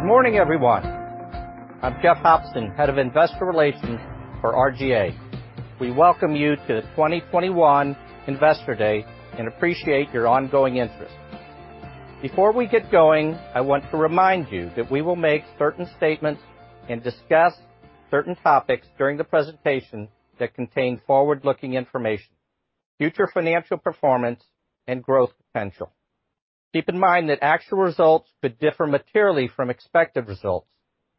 Good morning, everyone. I'm Jeff Hopson, Head of Investor Relations for RGA. We welcome you to the 2021 Investor Day and appreciate your ongoing interest. Before we get going, I want to remind you that we will make certain statements and discuss certain topics during the presentation that contain forward-looking information, future financial performance and growth potential. Keep in mind that actual results could differ materially from expected results.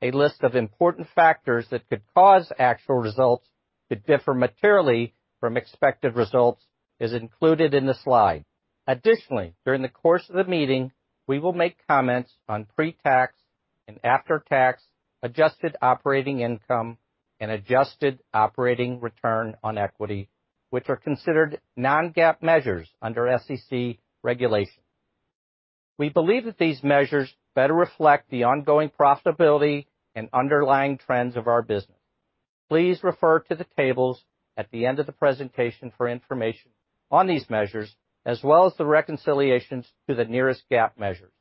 A list of important factors that could cause actual results to differ materially from expected results is included in the slide. Additionally, during the course of the meeting, we will make comments on pre-tax and after-tax adjusted operating income and adjusted operating return on equity, which are considered non-GAAP measures under SEC regulations. We believe that these measures better reflect the ongoing profitability and underlying trends of our business. Please refer to the tables at the end of the presentation for information on these measures, as well as the reconciliations to the nearest GAAP measure.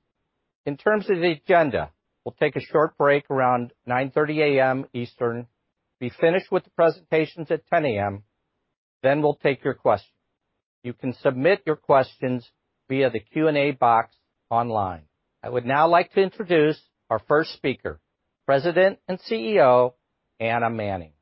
In terms of the agenda, we'll take a short break around 9:30 A.M. Eastern. We'll be finished with the presentations at 10:00 A.M., then we'll take your questions. You can submit your questions via the Q&A box online. I would now like to introduce our first speaker, President and CEO Anna Manning.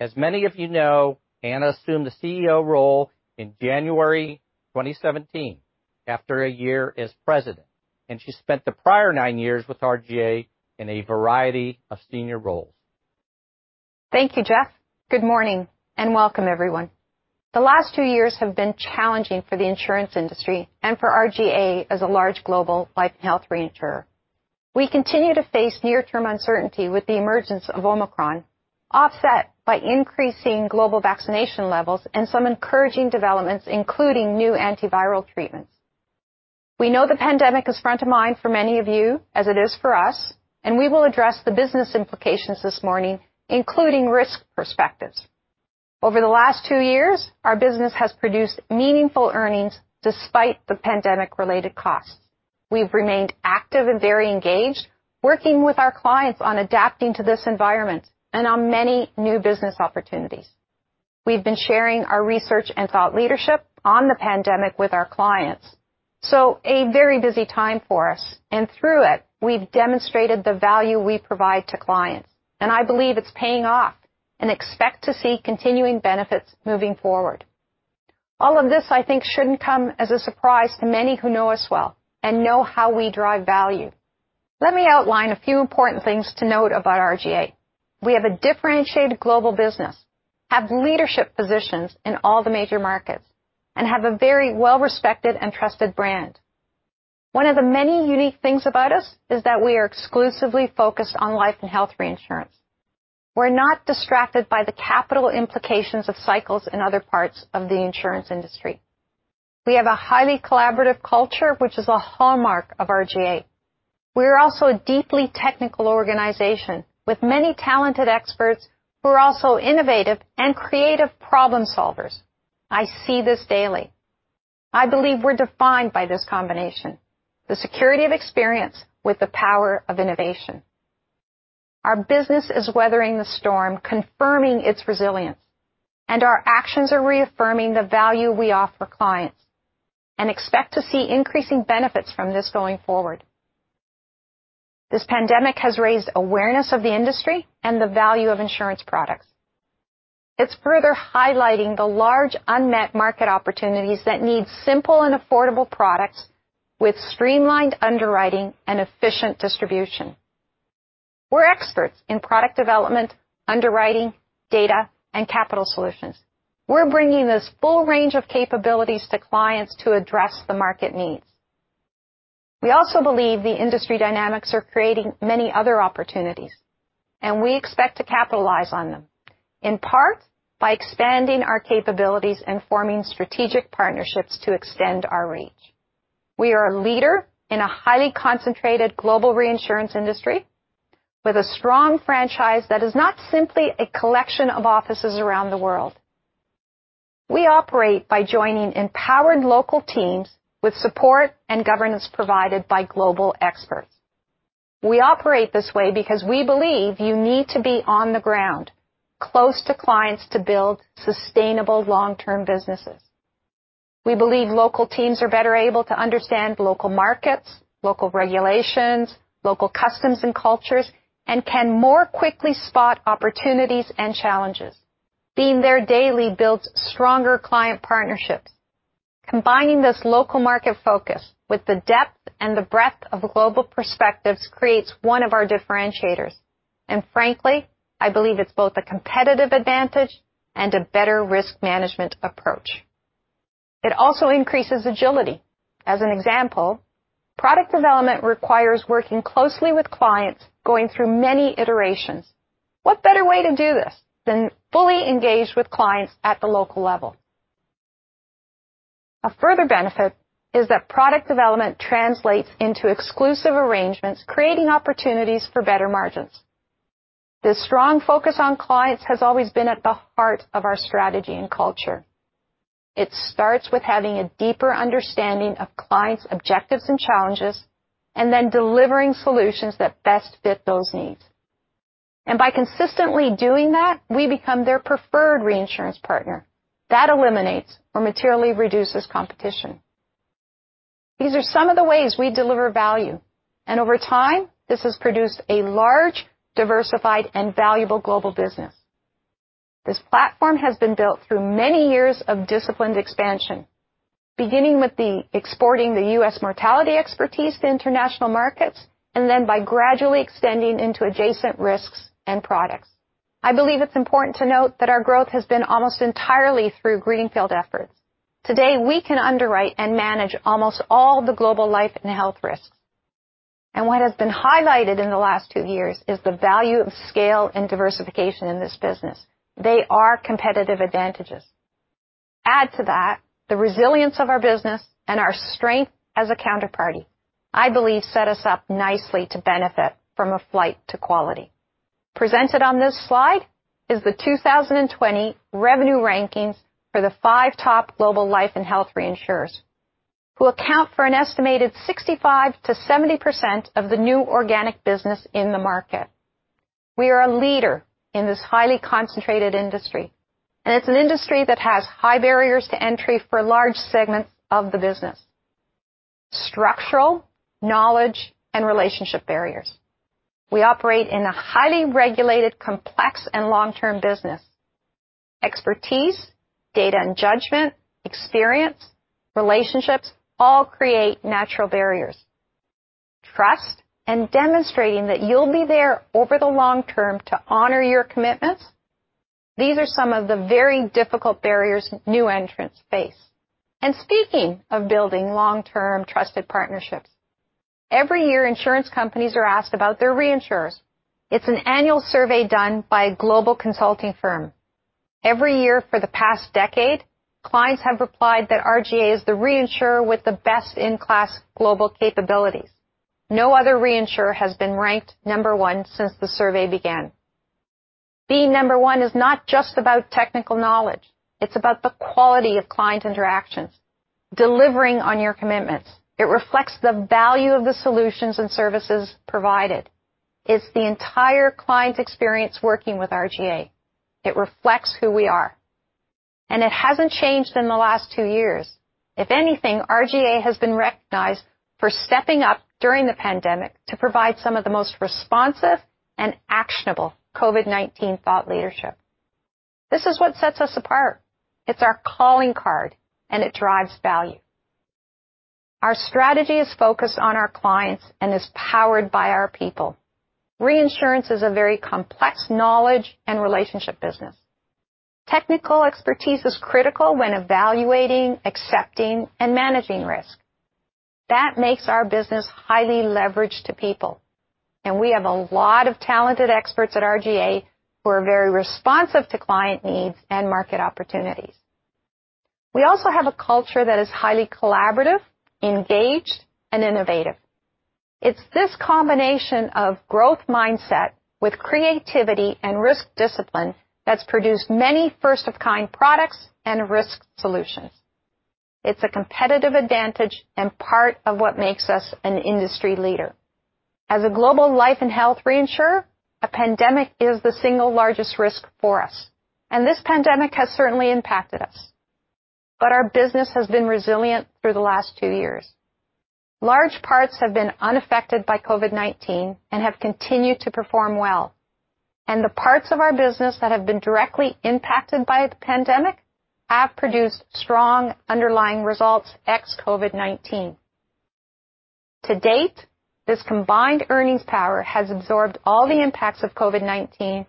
As many of you know, Anna assumed the CEO role in January 2017 after a year as president, and she spent the prior nine years with RGA in a variety of senior roles. Thank you, Jeff. Good morning and welcome, everyone. The last two years have been challenging for the insurance industry and for RGA as a large global life and health reinsurer. We continue to face near-term uncertainty with the emergence of Omicron, offset by increasing global vaccination levels and some encouraging developments, including new antiviral treatments. We know the pandemic is front of mind for many of you as it is for us, and we will address the business implications this morning, including risk perspectives. Over the last two years, our business has produced meaningful earnings despite the pandemic-related costs. We've remained active and very engaged, working with our clients on adapting to this environment and on many new business opportunities. We've been sharing our research and thought leadership on the pandemic with our clients, so a very busy time for us. Through it, we've demonstrated the value we provide to clients, and I believe it's paying off and expect to see continuing benefits moving forward. All of this, I think, shouldn't come as a surprise to many who know us well and know how we drive value. Let me outline a few important things to note about RGA. We have a differentiated global business, have leadership positions in all the major markets, and have a very well-respected and trusted brand. One of the many unique things about us is that we are exclusively focused on life and health reinsurance. We're not distracted by the capital implications of cycles in other parts of the insurance industry. We have a highly collaborative culture, which is a hallmark of RGA. We are also a deeply technical organization with many talented experts who are also innovative and creative problem-solvers. I see this daily. I believe we're defined by this combination, the security of experience with the power of innovation. Our business is weathering the storm, confirming its resilience, and our actions are reaffirming the value we offer clients and expect to see increasing benefits from this going forward. This pandemic has raised awareness of the industry and the value of insurance products. It's further highlighting the large unmet market opportunities that need simple and affordable products with streamlined underwriting and efficient distribution. We're experts in product development, underwriting, data, and capital solutions. We're bringing this full range of capabilities to clients to address the market needs. We also believe the industry dynamics are creating many other opportunities, and we expect to capitalize on them, in part, by expanding our capabilities and forming strategic partnerships to extend our reach. We are a leader in a highly concentrated global reinsurance industry with a strong franchise that is not simply a collection of offices around the world. We operate by joining empowered local teams with support and governance provided by global experts. We operate this way because we believe you need to be on the ground, close to clients to build sustainable long-term businesses. We believe local teams are better able to understand local markets, local regulations, local customs and cultures, and can more quickly spot opportunities and challenges. Being there daily builds stronger client partnerships. Combining this local market focus with the depth and the breadth of global perspectives creates one of our differentiators, and frankly, I believe it's both a competitive advantage and a better risk management approach. It also increases agility. As an example, product development requires working closely with clients, going through many iterations. What better way to do this than fully engage with clients at the local level? A further benefit is that product development translates into exclusive arrangements, creating opportunities for better margins. The strong focus on clients has always been at the heart of our strategy and culture. It starts with having a deeper understanding of clients' objectives and challenges, and then delivering solutions that best fit those needs. By consistently doing that, we become their preferred reinsurance partner. That eliminates or materially reduces competition. These are some of the ways we deliver value, and over time, this has produced a large, diversified, and valuable global business. This platform has been built through many years of disciplined expansion, beginning with exporting the U.S. mortality expertise to international markets, and then by gradually extending into adjacent risks and products. I believe it's important to note that our growth has been almost entirely through greenfield efforts. Today, we can underwrite and manage almost all the global life and health risks. What has been highlighted in the last two years is the value of scale and diversification in this business. They are competitive advantages. Add to that, the resilience of our business and our strength as a counterparty, I believe, set us up nicely to benefit from a flight to quality. Presented on this slide is the 2020 revenue rankings for the five top global life & health reinsurers, who account for an estimated 65%-70% of the new organic business in the market. We are a leader in this highly concentrated industry, and it's an industry that has high barriers to entry for large segments of the Business. Structural, knowledge, and relationship barriers. We operate in a highly regulated, complex, and long-term business. Expertise, data and judgment, experience, relationships all create natural barriers. Trust and demonstrating that you'll be there over the long term to honor your commitments, these are some of the very difficult barriers new entrants face. Speaking of building long-term trusted partnerships, every year, insurance companies are asked about their reinsurers. It's an annual survey done by a global consulting firm. Every year for the past decade, clients have replied that RGA is the reinsurer with the best-in-class global capabilities. No other reinsurer has been ranked number one since the survey began. Being number one is not just about technical knowledge. It's about the quality of client interactions, delivering on your commitments. It reflects the value of the solutions and services provided. It's the entire client experience working with RGA. It reflects who we are, and it hasn't changed in the last two years. If anything, RGA has been recognized for stepping up during the pandemic to provide some of the most responsive and actionable COVID-19 thought leadership. This is what sets us apart. It's our calling card, and it drives value. Our strategy is focused on our clients and is powered by our people. Reinsurance is a very complex knowledge and relationship business. Technical expertise is critical when evaluating, accepting, and managing risk. That makes our business highly leveraged to people, and we have a lot of talented experts at RGA who are very responsive to client needs and market opportunities. We also have a culture that is highly collaborative, engaged, and innovative. It's this combination of growth mindset with creativity and risk discipline that's produced many first-of-kind products and risk solutions. It's a competitive advantage and part of what makes us an industry leader. As a global life & health reinsurer, a pandemic is the single largest risk for us, and this pandemic has certainly impacted us, but our business has been resilient through the last two years. Large parts have been unaffected by COVID-19 and have continued to perform well. The parts of our business that have been directly impacted by the pandemic have produced strong underlying results ex-COVID-19. To date, this combined earnings power has absorbed all the impacts of COVID-19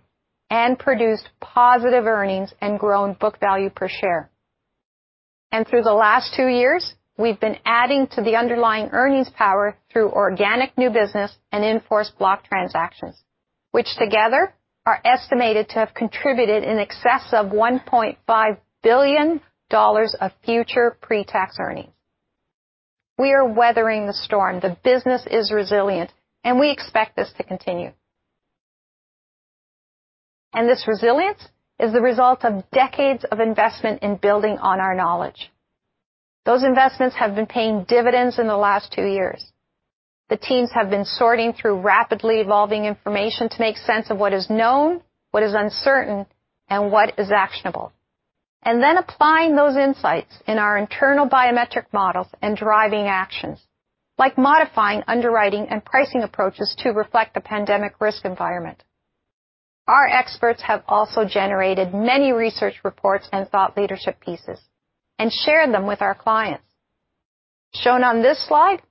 and produced positive earnings and grown book value per share. Through the last two years, we've been adding to the underlying earnings power through organic new business and in-force block transactions, which together are estimated to have contributed in excess of $1.5 billion of future pre-tax earnings. We are weathering the storm, the business is resilient, and we expect this to continue. This resilience is the result of decades of investment in building on our knowledge. Those investments have been paying dividends in the last two years. The teams have been sorting through rapidly evolving information to make sense of what is known, what is uncertain, and what is actionable. Applying those insights in our internal biometric models and driving actions, like modifying underwriting and pricing approaches to reflect the pandemic risk environment. Our experts have also generated many research reports and thought leadership pieces and shared them with our clients. Shown on this slide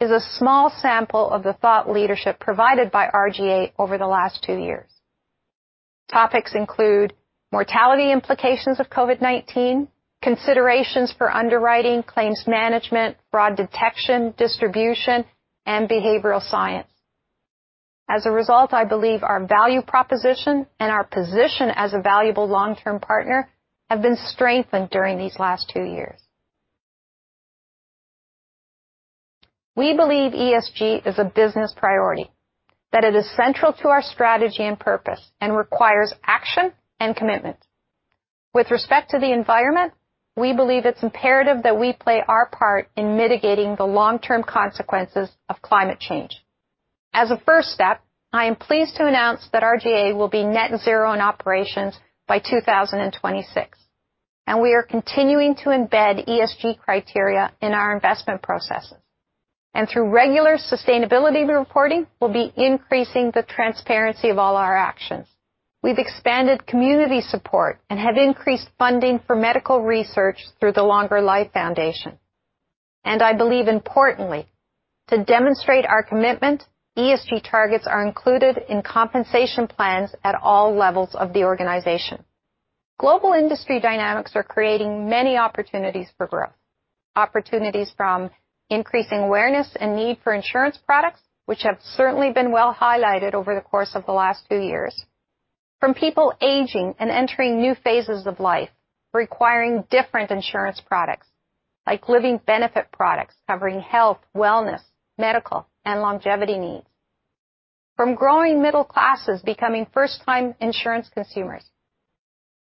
is a small sample of the thought leadership provided by RGA over the last two years. Topics include mortality implications of COVID-19, considerations for underwriting, claims management, fraud detection, distribution, and behavioral science. As a result, I believe our value proposition and our position as a valuable long-term partner have been strengthened during these last two years. We believe ESG is a business priority, that it is central to our strategy and purpose, and requires action and commitment. With respect to the environment, we believe it's imperative that we play our part in mitigating the long-term consequences of climate change. As a first step, I am pleased to announce that RGA will be net zero in operations by 2026, and we are continuing to embed ESG criteria in our investment processes. Through regular sustainability reporting, we'll be increasing the transparency of all our actions. We've expanded community support and have increased funding for medical research through the Longer Life Foundation. I believe importantly, to demonstrate our commitment, ESG targets are included in compensation plans at all levels of the organization. Global industry dynamics are creating many opportunities for growth. Opportunities from increasing awareness and need for insurance products, which have certainly been well highlighted over the course of the last few years. From people aging and entering new phases of life, requiring different insurance products like living benefit products covering health, wellness, medical, and longevity needs. From growing middle classes becoming first-time insurance consumers.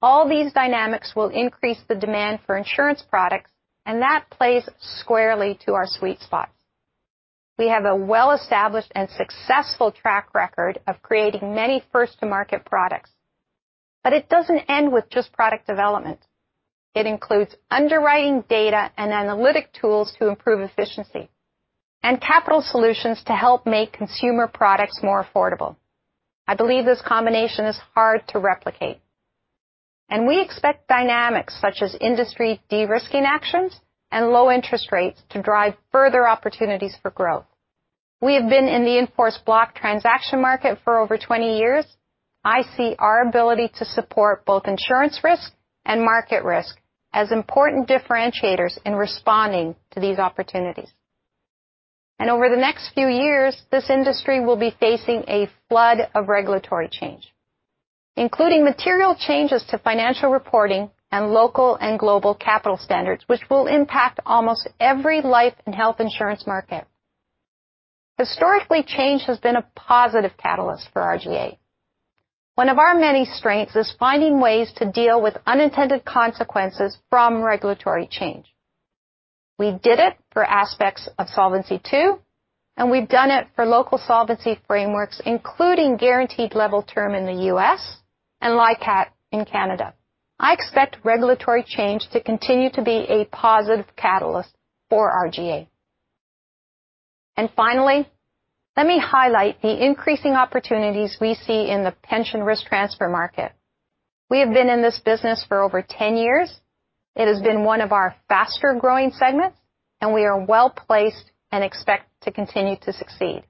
All these dynamics will increase the demand for insurance products, and that plays squarely to our sweet spot. We have a well-established and successful track record of creating many first-to-market products. It doesn't end with just product development. It includes underwriting data and analytic tools to improve efficiency and capital solutions to help make consumer products more affordable. I believe this combination is hard to replicate. We expect dynamics such as industry de-risking actions and low interest rates to drive further opportunities for growth. We have been in the in-force block transaction market for over 20 years. I see our ability to support both insurance risk and market risk as important differentiators in responding to these opportunities. Over the next few years, this industry will be facing a flood of regulatory change, including material changes to financial reporting and local and global capital standards, which will impact almost every life and health insurance market. Historically, change has been a positive catalyst for RGA. One of our many strengths is finding ways to deal with unintended consequences from regulatory change. We did it for aspects of Solvency II, and we've done it for local solvency frameworks, including guaranteed level term in the U.S. and LICAT in Canada. I expect regulatory change to continue to be a positive catalyst for RGA. Finally, let me highlight the increasing opportunities we see in the pension risk transfer market. We have been in this business for over 10 years. It has been one of our faster-growing segments, and we are well-placed and expect to continue to succeed.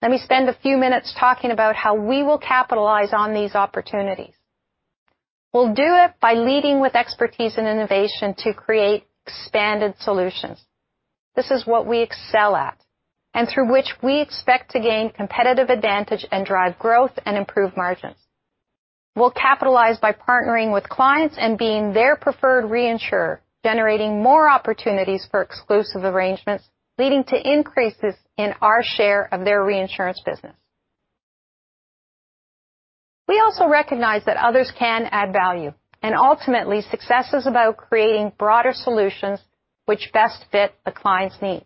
Let me spend a few minutes talking about how we will capitalize on these opportunities. We'll do it by leading with expertise and innovation to create expanded solutions. This is what we excel at, and through which we expect to gain competitive advantage and drive growth and improve margins. We'll capitalize by partnering with clients and being their preferred reinsurer, generating more opportunities for exclusive arrangements, leading to increases in our share of their reinsurance business. We also recognize that others can add value, and ultimately, success is about creating broader solutions which best fit the client's needs.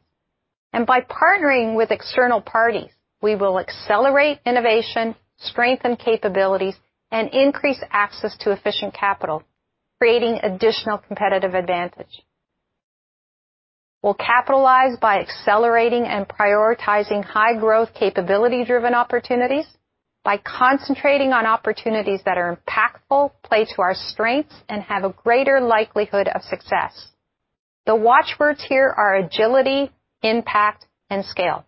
By partnering with external parties, we will accelerate innovation, strengthen capabilities, and increase access to efficient capital, creating additional competitive advantage. We'll capitalize by accelerating and prioritizing high-growth, capability-driven opportunities by concentrating on opportunities that are impactful, play to our strengths, and have a greater likelihood of success. The watch words here are agility, impact, and scale.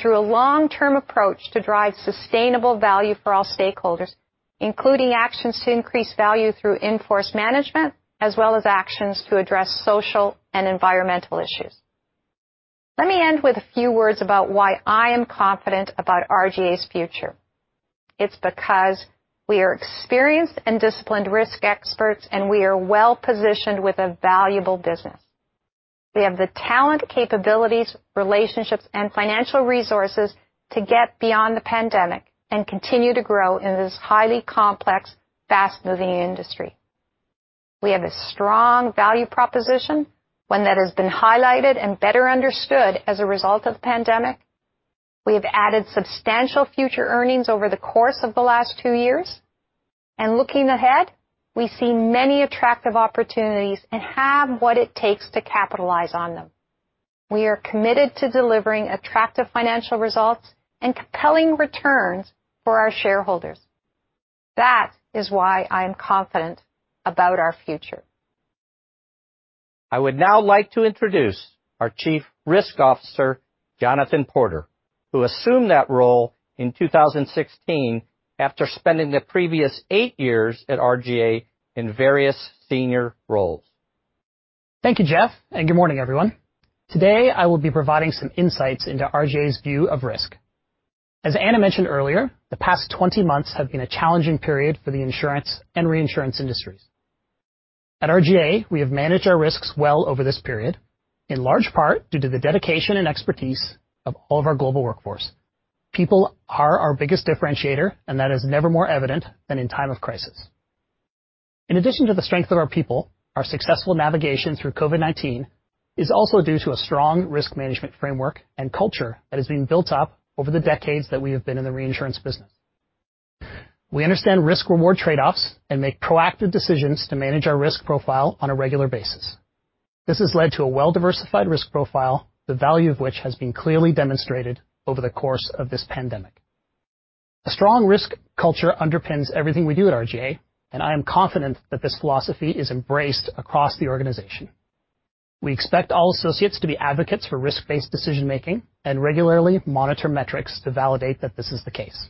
Through a long-term approach to drive sustainable value for all stakeholders, including actions to increase value through in-force management, as well as actions to address social and environmental issues. Let me end with a few words about why I am confident about RGA's future. It's because we are experienced and disciplined risk experts, and we are well-positioned with a valuable business. We have the talent, capabilities, relationships, and financial resources to get beyond the pandemic and continue to grow in this highly complex, fast-moving industry. We have a strong value proposition, one that has been highlighted and better understood as a result of the pandemic. We have added substantial future earnings over the course of the last two years, and looking ahead, we see many attractive opportunities and have what it takes to capitalize on them. We are committed to delivering attractive financial results and compelling returns for our shareholders. That is why I am confident about our future. I would now like to introduce our Chief Risk Officer, Jonathan Porter, who assumed that role in 2016 after spending the previous eight years at RGA in various senior roles. Thank you, Jeff, and good morning, everyone. Today, I will be providing some insights into RGA's view of risk. As Anna mentioned earlier, the past 20 months have been a challenging period for the insurance and reinsurance industries. At RGA, we have managed our risks well over this period, in large part due to the dedication and expertise of all of our global workforce. People are our biggest differentiator, and that is never more evident than in time of crisis. In addition to the strength of our people, our successful navigation through COVID-19 is also due to a strong risk management framework and culture that has been built up over the decades that we have been in the reinsurance business. We understand risk-reward trade-offs and make proactive decisions to manage our risk profile on a regular basis. This has led to a well-diversified risk profile, the value of which has been clearly demonstrated over the course of this pandemic. A strong risk culture underpins everything we do at RGA, and I am confident that this philosophy is embraced across the organization. We expect all associates to be advocates for risk-based decision-making and regularly monitor metrics to validate that this is the case.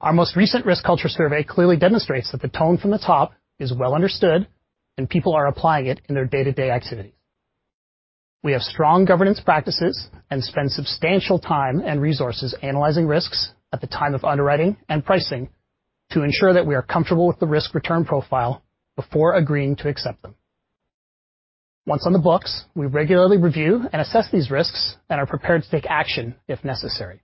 Our most recent risk culture survey clearly demonstrates that the tone from the top is well understood and people are applying it in their day-to-day activities. We have strong governance practices and spend substantial time and resources analyzing risks at the time of underwriting and pricing to ensure that we are comfortable with the risk-return profile before agreeing to accept them. Once on the books, we regularly review and assess these risks and are prepared to take action if necessary.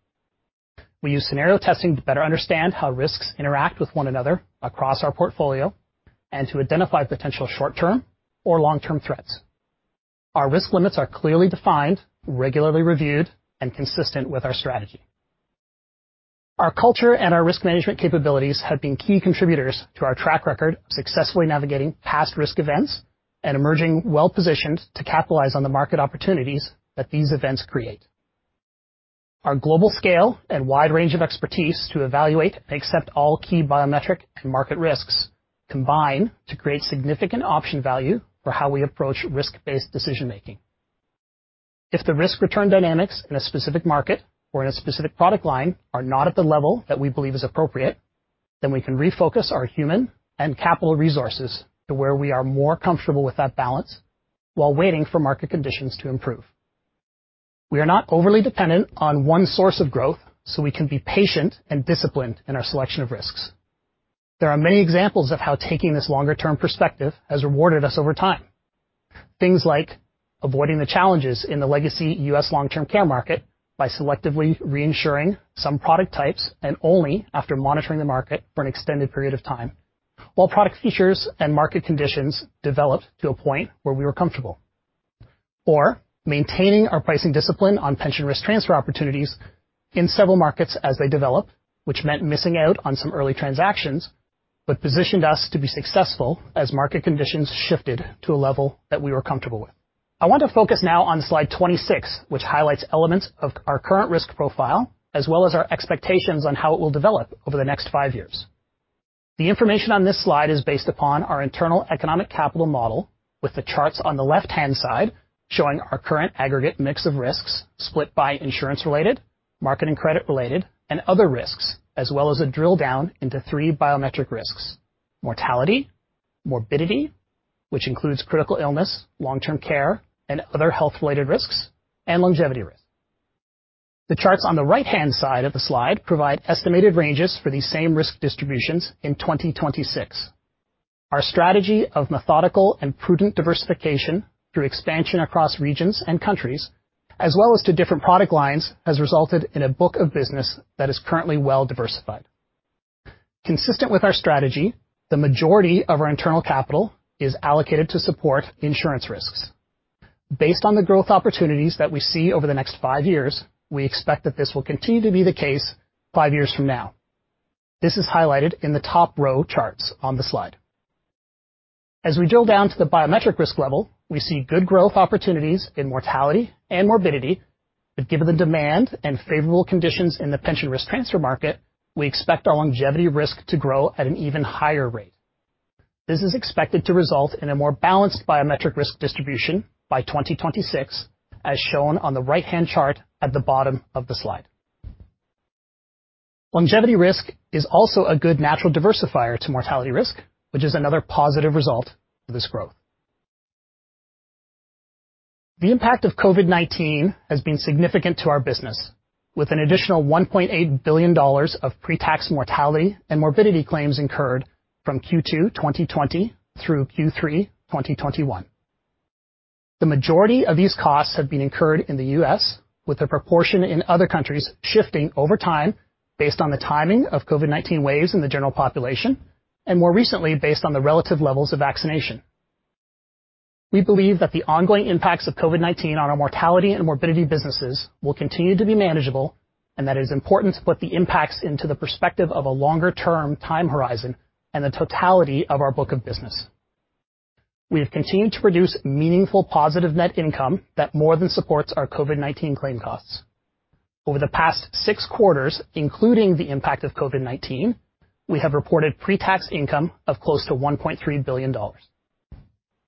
We use scenario testing to better understand how risks interact with one another across our portfolio and to identify potential short-term or long-term threats. Our risk limits are clearly defined, regularly reviewed, and consistent with our strategy. Our culture and our risk management capabilities have been key contributors to our track record of successfully navigating past risk events and emerging well-positioned to capitalize on the market opportunities that these events create. Our global scale and wide range of expertise to evaluate and accept all key biometric and market risks combine to create significant option value for how we approach risk-based decision-making. If the risk return dynamics in a specific market or in a specific product line are not at the level that we believe is appropriate, then we can refocus our human and capital resources to where we are more comfortable with that balance while waiting for market conditions to improve. We are not overly dependent on one source of growth, so we can be patient and disciplined in our selection of risks. There are many examples of how taking this longer-term perspective has rewarded us over time. Things like avoiding the challenges in the legacy U.S. long-term care market by selectively reinsuring some product types and only after monitoring the market for an extended period of time, while product features and market conditions developed to a point where we were comfortable. Maintaining our pricing discipline on pension risk transfer opportunities in several markets as they developed, which meant missing out on some early transactions, but positioned us to be successful as market conditions shifted to a level that we were comfortable with. I want to focus now on slide 26, which highlights elements of our current risk profile as well as our expectations on how it will develop over the next five years. The information on this slide is based upon our internal economic capital model, with the charts on the left-hand side showing our current aggregate mix of risks split by insurance-related, market and credit-related, and other risks, as well as a drill down into three biometric risks: mortality, morbidity, which includes critical illness, long-term care, and other health-related risks, and longevity risk. The charts on the right-hand side of the slide provide estimated ranges for these same risk distributions in 2026. Our strategy of methodical and prudent diversification through expansion across regions and countries, as well as to different product lines, has resulted in a book of business that is currently well diversified. Consistent with our strategy, the majority of our internal capital is allocated to support insurance risks. Based on the growth opportunities that we see over the next five years, we expect that this will continue to be the case five years from now. This is highlighted in the top row charts on the slide. As we drill down to the biometric risk level, we see good growth opportunities in mortality and morbidity. Given the demand and favorable conditions in the pension risk transfer market, we expect our longevity risk to grow at an even higher rate. This is expected to result in a more balanced biometric risk distribution by 2026, as shown on the right-hand chart at the bottom of the slide. Longevity risk is also a good natural diversifier to mortality risk, which is another positive result of this growth. The impact of COVID-19 has been significant to our business, with an additional $1.8 billion of pre-tax mortality and morbidity claims incurred from Q2 2020 through Q3 2021. The majority of these costs have been incurred in the U.S., with the proportion in other countries shifting over time based on the timing of COVID-19 waves in the general population, and more recently, based on the relative levels of vaccination. We believe that the ongoing impacts of COVID-19 on our mortality and morbidity businesses will continue to be manageable, and that it is important to put the impacts into the perspective of a longer-term time horizon and the totality of our book of business. We have continued to produce meaningful positive net income that more than supports our COVID-19 claim costs. Over the past six quarters, including the impact of COVID-19, we have reported pre-tax income of close to $1.3 billion.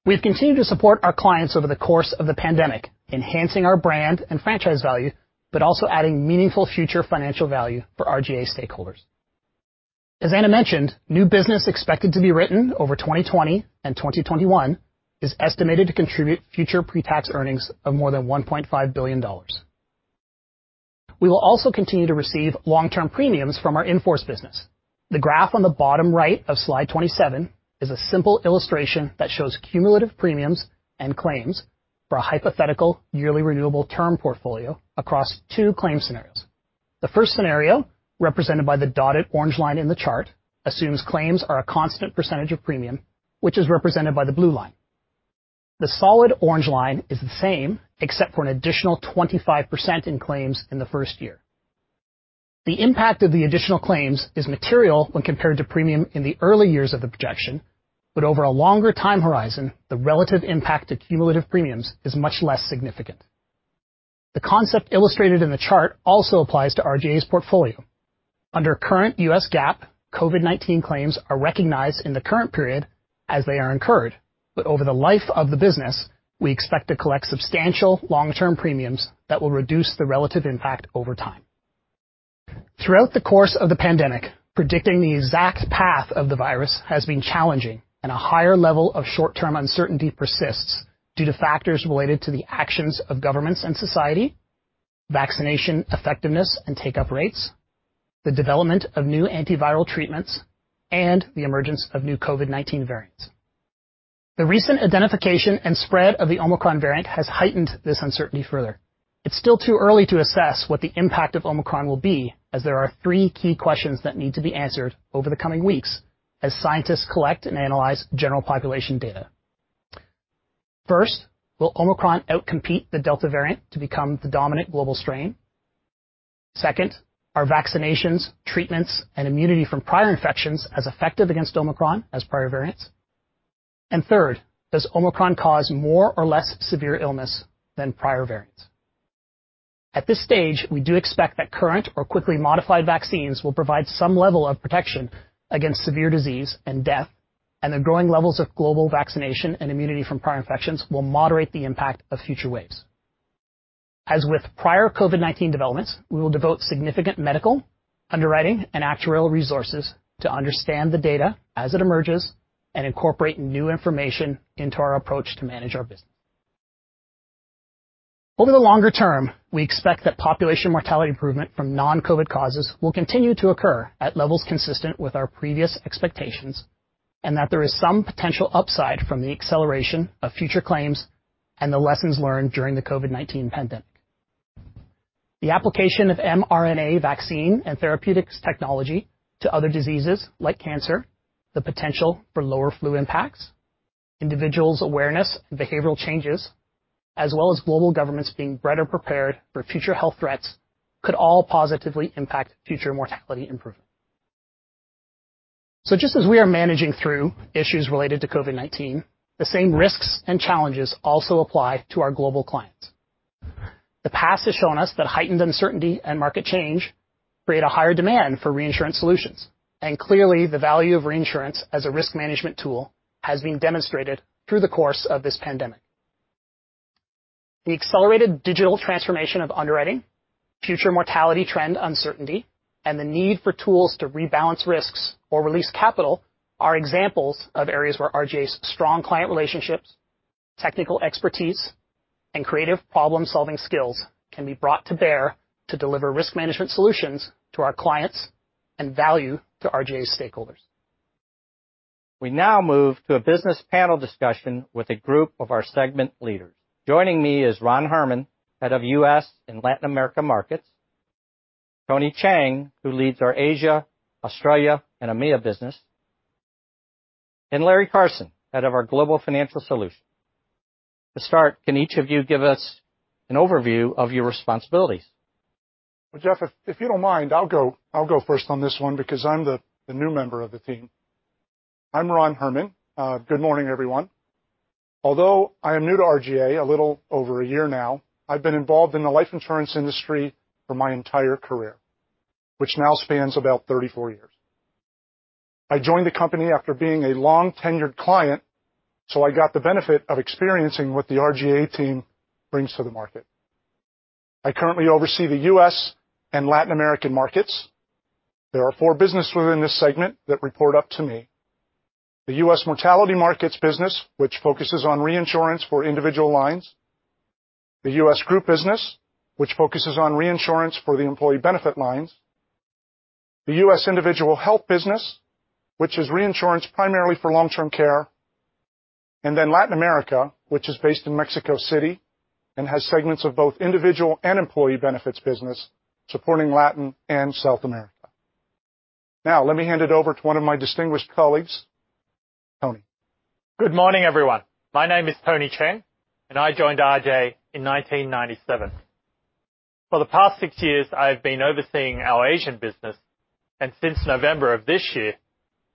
We've continued to support our clients over the course of the pandemic, enhancing our brand and franchise value, but also adding meaningful future financial value for RGA stakeholders. As Anna mentioned, new business expected to be written over 2020 and 2021 is estimated to contribute future pre-tax earnings of more than $1.5 billion. We will also continue to receive long-term premiums from our in-force business. The graph on the bottom right of slide 27 is a simple illustration that shows cumulative premiums and claims for a hypothetical yearly renewable term portfolio across two claim scenarios. The first scenario, represented by the dotted orange line in the chart, assumes claims are a constant percentage of premium, which is represented by the blue line. The solid orange line is the same, except for an additional 25% in claims in the first year. The impact of the additional claims is material when compared to premium in the early years of the block, but over a longer time horizon, the relative impact to cumulative premiums is much less significant. The concept illustrated in the chart also applies to RGA's portfolio. Under current U.S. GAAP, COVID-19 claims are recognized in the current period as they are incurred, but over the life of the business, we expect to collect substantial long-term premiums that will reduce the relative impact over time. Throughout the course of the pandemic, predicting the exact path of the virus has been challenging, and a higher level of short-term uncertainty persists due to factors related to the actions of governments and society, vaccination effectiveness and take-up rates, the development of new antiviral treatments, and the emergence of new COVID-19 variants. The recent identification and spread of the Omicron variant has heightened this uncertainty further. It's still too early to assess what the impact of Omicron will be, as there are three key questions that need to be answered over the coming weeks as scientists collect and analyze general population data. First, will Omicron outcompete the Delta variant to become the dominant global strain? Second, are vaccinations, treatments, and immunity from prior infections as effective against Omicron as prior variants? Third, does Omicron cause more or less severe illness than prior variants? At this stage, we do expect that current or quickly modified vaccines will provide some level of protection against severe disease and death, and the growing levels of global vaccination and immunity from prior infections will moderate the impact of future waves. As with prior COVID-19 developments, we will devote significant medical, underwriting, and actuarial resources to understand the data as it emerges and incorporate new information into our approach to manage our business. Over the longer term, we expect that population mortality improvement from non-COVID causes will continue to occur at levels consistent with our previous expectations, and that there is some potential upside from the acceleration of future claims and the lessons learned during the COVID-19 pandemic. The application of mRNA vaccine and therapeutics technology to other diseases like cancer, the potential for lower flu impacts, individuals' awareness and behavioral changes, as well as global governments being better prepared for future health threats could all positively impact future mortality improvement. Just as we are managing through issues related to COVID-19, the same risks and challenges also apply to our global clients. The past has shown us that heightened uncertainty and market change create a higher demand for reinsurance solutions. Clearly, the value of reinsurance as a risk management tool has been demonstrated through the course of this pandemic. The accelerated digital transformation of underwriting, future mortality trend uncertainty, and the need for tools to rebalance risks or release capital are examples of areas where RGA's strong client relationships, technical expertise, and creative problem-solving skills can be brought to bear to deliver risk management solutions to our clients and value to RGA stakeholders. We now move to a business panel discussion with a group of our segment leaders. Joining me is Ron Herrmann, Head of U.S. and Latin American Markets, Tony Cheng, who leads our Asia, Australia, and EMEA business, and Larry Carson, Head of our Global Financial Solutions. To start, can each of you give us an overview of your responsibilities? Well, Jeff, if you don't mind, I'll go first on this one because I'm the new member of the team. I'm Ron Herrmann. Good morning, everyone. Although I am new to RGA, a little over a year now, I've been involved in the life insurance industry for my entire career, which now spans about 34 years. I joined the company after being a long-tenured client, so I got the benefit of experiencing what the RGA team brings to the market. I currently oversee the U.S. and Latin American markets. There are four businesses within this segment that report up to me. The US mortality markets business, which focuses on reinsurance for individual lines. The US Group business, which focuses on reinsurance for the employee benefit lines. The US Individual Health business, which is reinsurance primarily for long-term care. Latin America, which is based in Mexico City and has segments of both individual and employee benefits business supporting Latin and South America. Now, let me hand it over to one of my distinguished colleagues, Tony. Good morning, everyone. My name is Tony Cheng, and I joined RGA in 1997. For the past six years, I've been overseeing our Asian business, and since November of this year,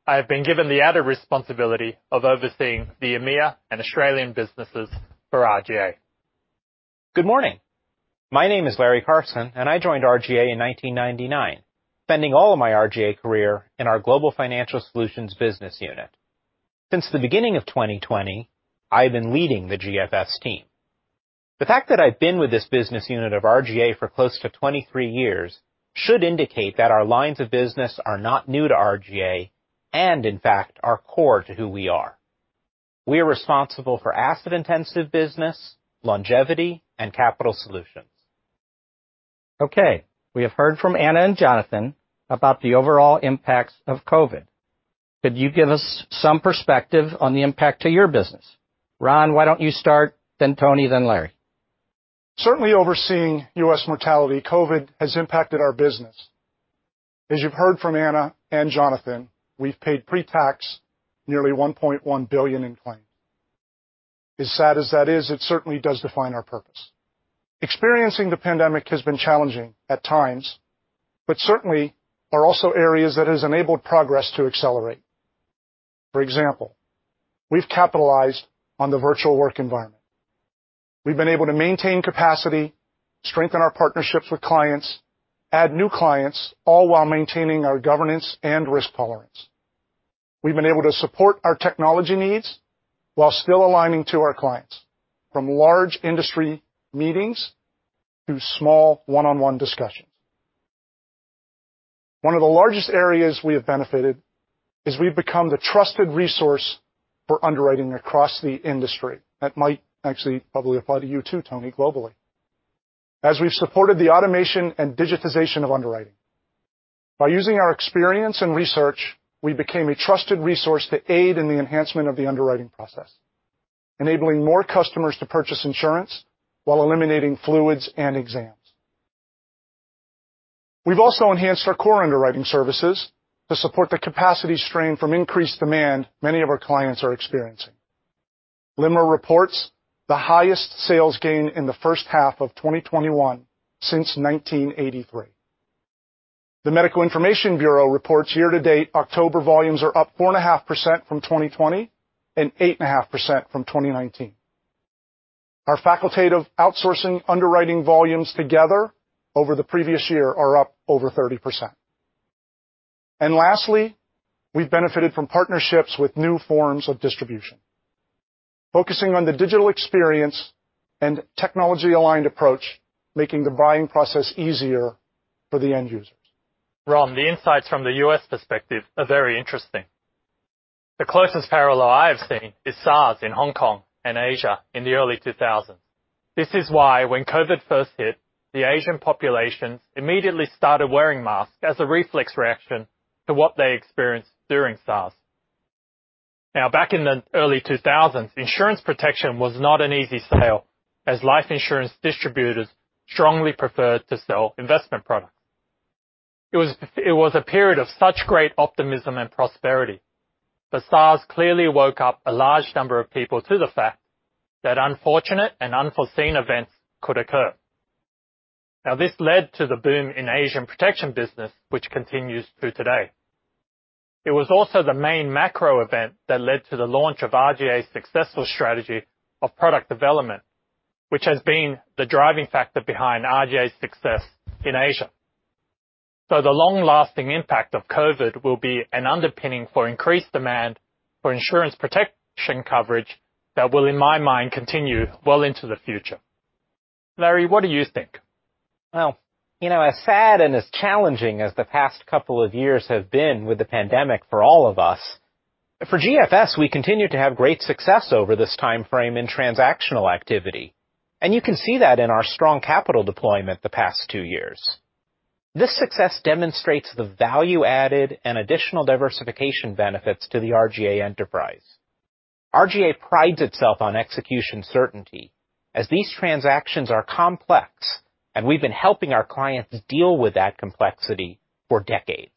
I have been given the added responsibility of overseeing the EMEA and Australian businesses for RGA. Good morning. My name is Larry Carson, and I joined RGA in 1999, spending all of my RGA career in our Global Financial Solutions business unit. Since the beginning of 2020, I've been leading the GFS team. The fact that I've been with this business unit of RGA for close to 23 years should indicate that our lines of business are not new to RGA and in fact are core to who we are. We are responsible for asset intensive business, longevity, and capital solutions. Okay, we have heard from Anna and Jonathan about the overall impacts of COVID. Could you give us some perspective on the impact to your business? Ron, why don't you start then Tony, then Larry. Certainly, overseeing U.S. mortality, COVID has impacted our business. As you've heard from Anna and Jonathan, we've paid pre-tax nearly $1.1 billion in claims. As sad as that is, it certainly does define our purpose. Experiencing the pandemic has been challenging at times, but certainly there are also areas that have enabled progress to accelerate. For example, we've capitalized on the virtual work environment. We've been able to maintain capacity, strengthen our partnerships with clients, add new clients, all while maintaining our governance and risk tolerance. We've been able to support our technology needs while still aligning to our clients, from large industry meetings to small one-on-one discussions. One of the largest areas we have benefited is we've become the trusted resource for underwriting across the industry. That might actually probably apply to you too, Tony, globally. As we've supported the automation and digitization of underwriting. By using our experience and research, we became a trusted resource to aid in the enhancement of the underwriting process, enabling more customers to purchase insurance while eliminating fluids and exams. We've also enhanced our core underwriting services to support the capacity strain from increased demand many of our clients are experiencing. LIMRA reports the highest sales gain in the first half of 2021 since 1983. The Medical Information Bureau reports year to date, October volumes are up 4.5% from 2020 and 8.5% from 2019. Our facultative outsourcing underwriting volumes together over the previous year are up over 30%. Lastly, we've benefited from partnerships with new forms of distribution, focusing on the digital experience and technology-aligned approach, making the buying process easier for the end users. Ron, the insights from the U.S. perspective are very interesting. The closest parallel I have seen is SARS in Hong Kong and Asia in the early 2000s. This is why when COVID first hit, the Asian populations immediately started wearing masks as a reflex reaction to what they experienced during SARS. Now, back in the early 2000s, insurance protection was not an easy sale as life insurance distributors strongly preferred to sell investment products. It was a period of such great optimism and prosperity, but SARS clearly woke up a large number of people to the fact that unfortunate and unforeseen events could occur. Now, this led to the boom in Asian protection business, which continues through today. It was also the main macro event that led to the launch of RGA's successful strategy of product development, which has been the driving factor behind RGA's success in Asia. The long-lasting impact of COVID will be an underpinning for increased demand for insurance protection coverage that will, in my mind, continue well into the future. Larry, what do you think? Well, you know, as sad and as challenging as the past couple of years have been with the pandemic for all of us, for GFS, we continue to have great success over this timeframe in transactional activity, and you can see that in our strong capital deployment the past two years. This success demonstrates the value added and additional diversification benefits to the RGA enterprise. RGA prides itself on execution certainty as these transactions are complex, and we've been helping our clients deal with that complexity for decades.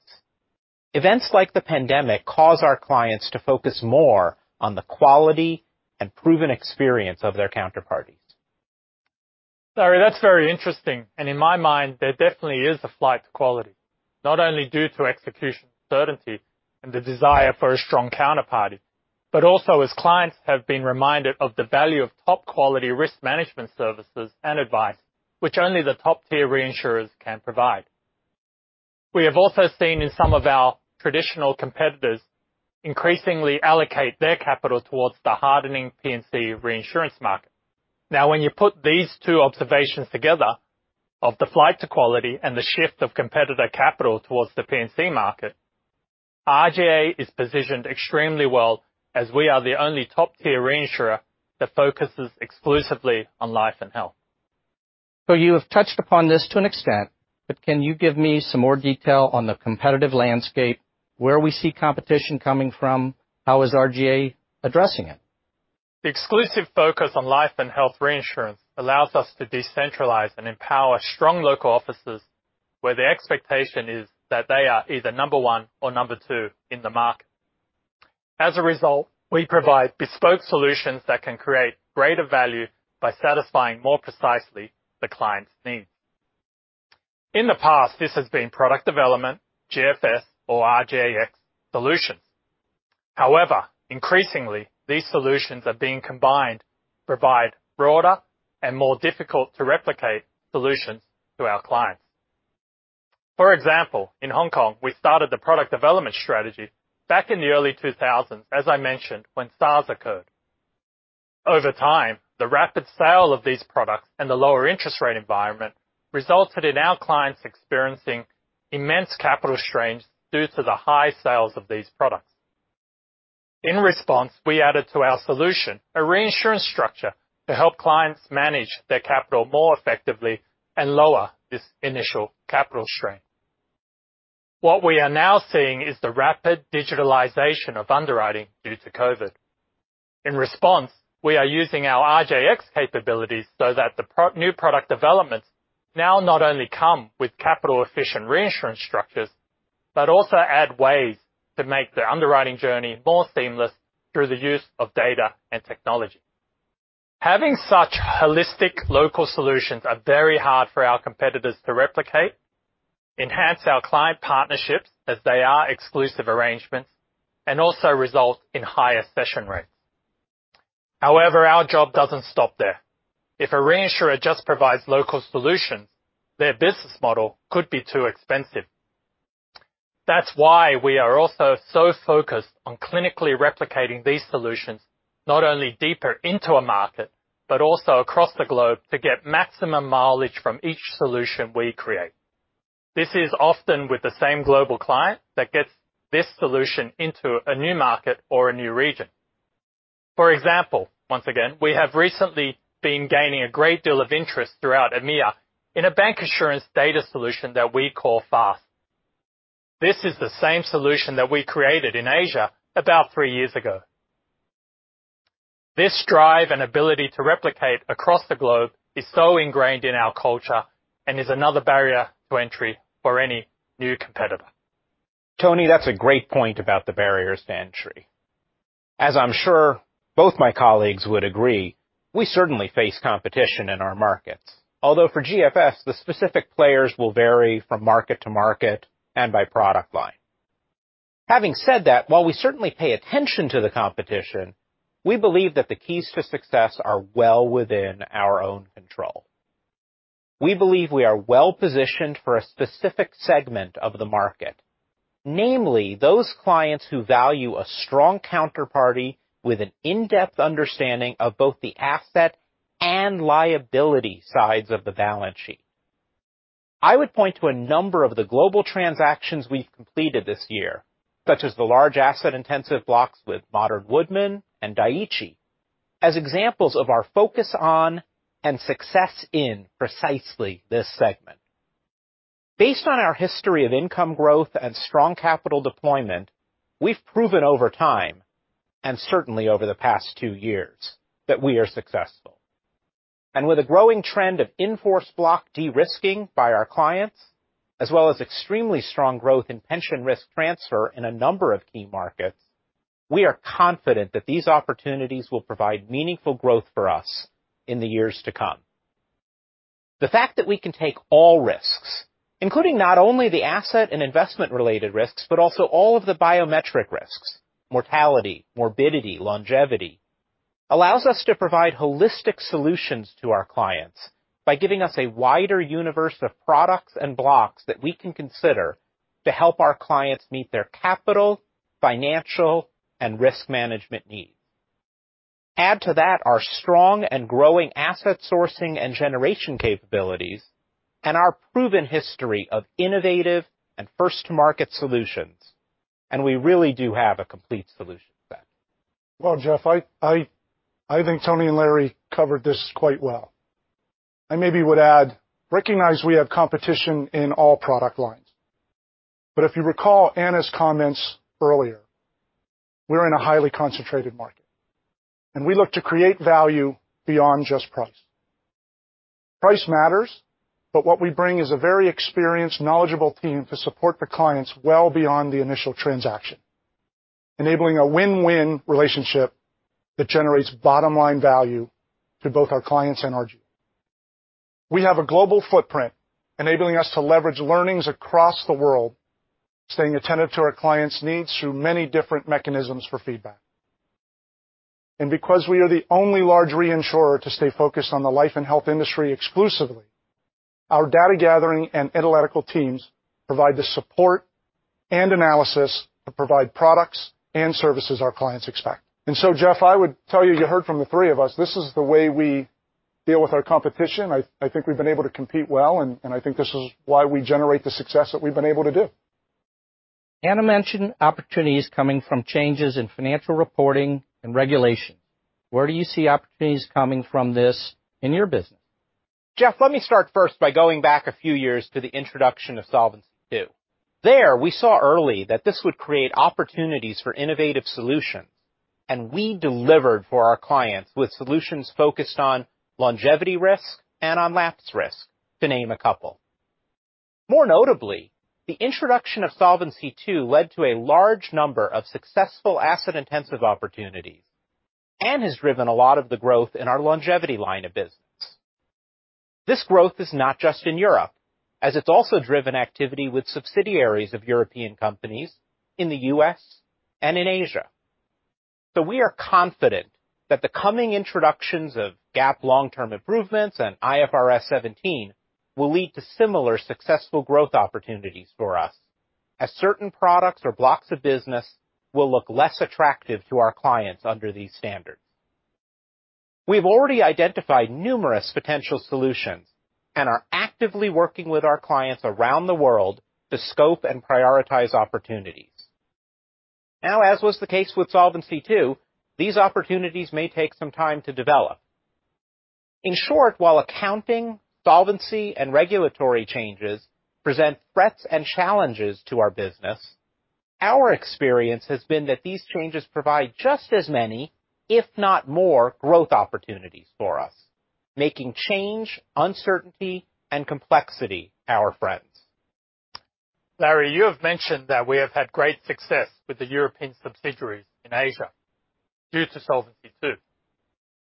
Events like the pandemic cause our clients to focus more on the quality and proven experience of their counterparties. Larry, that's very interesting. In my mind, there definitely is a flight to quality, not only due to execution certainty and the desire for a strong counterparty, but also as clients have been reminded of the value of top quality risk management services and advice, which only the top-tier reinsurers can provide. We have also seen some of our traditional competitors increasingly allocate their capital towards the hardening P&C reinsurance market. Now, when you put these two observations together of the flight to quality and the shift of competitor capital towards the P&C market, RGA is positioned extremely well as we are the only top-tier reinsurer that focuses exclusively on life and health. You have touched upon this to an extent, but can you give me some more detail on the competitive landscape, where we see competition coming from? How is RGA addressing it? The exclusive focus on life and health reinsurance allows us to decentralize and empower strong local offices where the expectation is that they are either number one or number two in the market. As a result, we provide bespoke solutions that can create greater value by satisfying more precisely the client's needs. In the past, this has been product development, GFS or RGAX solutions. However, increasingly, these solutions are being combined to provide broader and more difficult to replicate solutions to our clients. For example, in Hong Kong, we started the product development strategy back in the early 2000s, as I mentioned, when SARS occurred. Over time, the rapid sale of these products and the lower interest rate environment resulted in our clients experiencing immense capital strains due to the high sales of these products. In response, we added to our solution a reinsurance structure to help clients manage their capital more effectively and lower this initial capital strain. What we are now seeing is the rapid digitalization of underwriting due to COVID. In response, we are using our RGAX capabilities so that new product developments now not only come with capital-efficient reinsurance structures, but also add ways to make their underwriting journey more seamless through the use of data and technology. Having such holistic local solutions are very hard for our competitors to replicate, enhance our client partnerships as they are exclusive arrangements, and also result in higher cession rates. However, our job doesn't stop there. If a reinsurer just provides local solutions, their business model could be too expensive. That's why we are also so focused on clinically replicating these solutions, not only deeper into a market, but also across the globe to get maximum mileage from each solution we create. This is often with the same global client that gets this solution into a new market or a new region. For example, once again, we have recently been gaining a great deal of interest throughout EMEA in a bank insurance data solution that we call FAST. This is the same solution that we created in Asia about three years ago. This drive and ability to replicate across the globe is so ingrained in our culture and is another barrier to entry for any new competitor. Tony, that's a great point about the barriers to entry. As I'm sure both my colleagues would agree, we certainly face competition in our markets. Although for GFS, the specific players will vary from market to market and by product line. Having said that, while we certainly pay attention to the competition, we believe that the keys to success are well within our own control. We believe we are well-positioned for a specific segment of the market, namely those clients who value a strong counterparty with an in-depth understanding of both the asset and liability sides of the balance sheet. I would point to a number of the global transactions we've completed this year, such as the large asset intensive blocks with Modern Woodmen and Dai-ichi, as examples of our focus on and success in precisely this segment. Based on our history of income growth and strong capital deployment, we've proven over time, and certainly over the past two years, that we are successful. With a growing trend of in-force block de-risking by our clients, as well as extremely strong growth in pension risk transfer in a number of key markets, we are confident that these opportunities will provide meaningful growth for us in the years to come. The fact that we can take all risks, including not only the asset and investment related risks, but also all of the biometric risks, mortality, morbidity, longevity, allows us to provide holistic solutions to our clients by giving us a wider universe of products and blocks that we can consider to help our clients meet their capital, financial, and risk management needs. Add to that our strong and growing asset sourcing and generation capabilities and our proven history of innovative and first-to-market solutions, and we really do have a complete solution set. Well, Jeff, I think Tony and Larry covered this quite well. I maybe would add, recognize we have competition in all product lines. If you recall Anna's comments earlier, we're in a highly concentrated market, and we look to create value beyond just price. Price matters, but what we bring is a very experienced, knowledgeable team to support the clients well beyond the initial transaction, enabling a win-win relationship that generates bottom-line value to both our clients and our team. We have a global footprint enabling us to leverage learnings across the world, staying attentive to our clients' needs through many different mechanisms for feedback. Because we are the only large reinsurer to stay focused on the life and health industry exclusively, our data gathering and analytical teams provide the support and analysis to provide products and services our clients expect. Jeff, I would tell you heard from the three of us, this is the way we deal with our competition. I think we've been able to compete well, and I think this is why we generate the success that we've been able to do. Anna mentioned opportunities coming from changes in financial reporting and regulation. Where do you see opportunities coming from this in your business? Jeff, let me start first by going back a few years to the introduction of Solvency II. There, we saw early that this would create opportunities for innovative solutions, and we delivered for our clients with solutions focused on longevity risk and on lapse risk, to name a couple. More notably, the introduction of Solvency II led to a large number of successful asset-intensive opportunities and has driven a lot of the growth in our longevity line of business. This growth is not just in Europe, as it's also driven activity with subsidiaries of European companies in the U.S. and in Asia. We are confident that the coming introductions of GAAP long-duration targeted improvements and IFRS 17 will lead to similar successful growth opportunities for us as certain products or blocks of business will look less attractive to our clients under these standards. We've already identified numerous potential solutions and are actively working with our clients around the world to scope and prioritize opportunities. Now, as was the case with Solvency II, these opportunities may take some time to develop. In short, while accounting, solvency, and regulatory changes present threats and challenges to our business, our experience has been that these changes provide just as many, if not more, growth opportunities for us, making change, uncertainty, and complexity our friends. Larry, you have mentioned that we have had great success with the European subsidiaries in Asia due to Solvency II.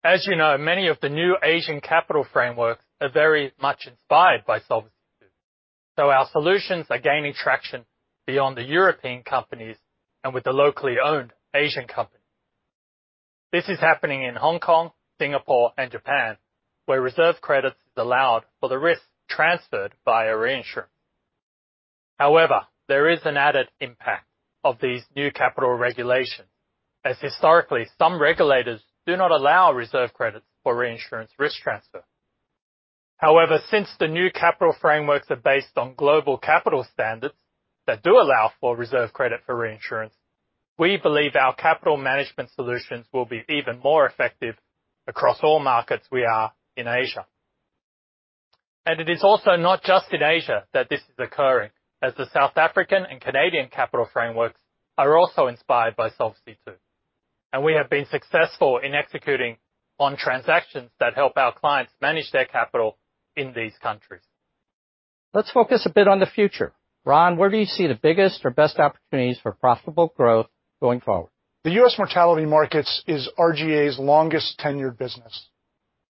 As you know, many of the new Asian capital frameworks are very much inspired by Solvency II. Our solutions are gaining traction beyond the European companies and with the locally owned Asian company. This is happening in Hong Kong, Singapore, and Japan, where reserve credits is allowed for the risk transferred via reinsurance. However, there is an added impact of these new capital regulations, as historically, some regulators do not allow reserve credits for reinsurance risk transfer. However, since the new capital frameworks are based on global capital standards that do allow for reserve credit for reinsurance, we believe our capital management solutions will be even more effective across all markets we are in Asia. It is also not just in Asia that this is occurring, as the South African and Canadian capital frameworks are also inspired by Solvency II, and we have been successful in executing on transactions that help our clients manage their capital in these countries. Let's focus a bit on the future. Ron, where do you see the biggest or best opportunities for profitable growth going forward? The U.S. mortality markets is RGA's longest tenured business.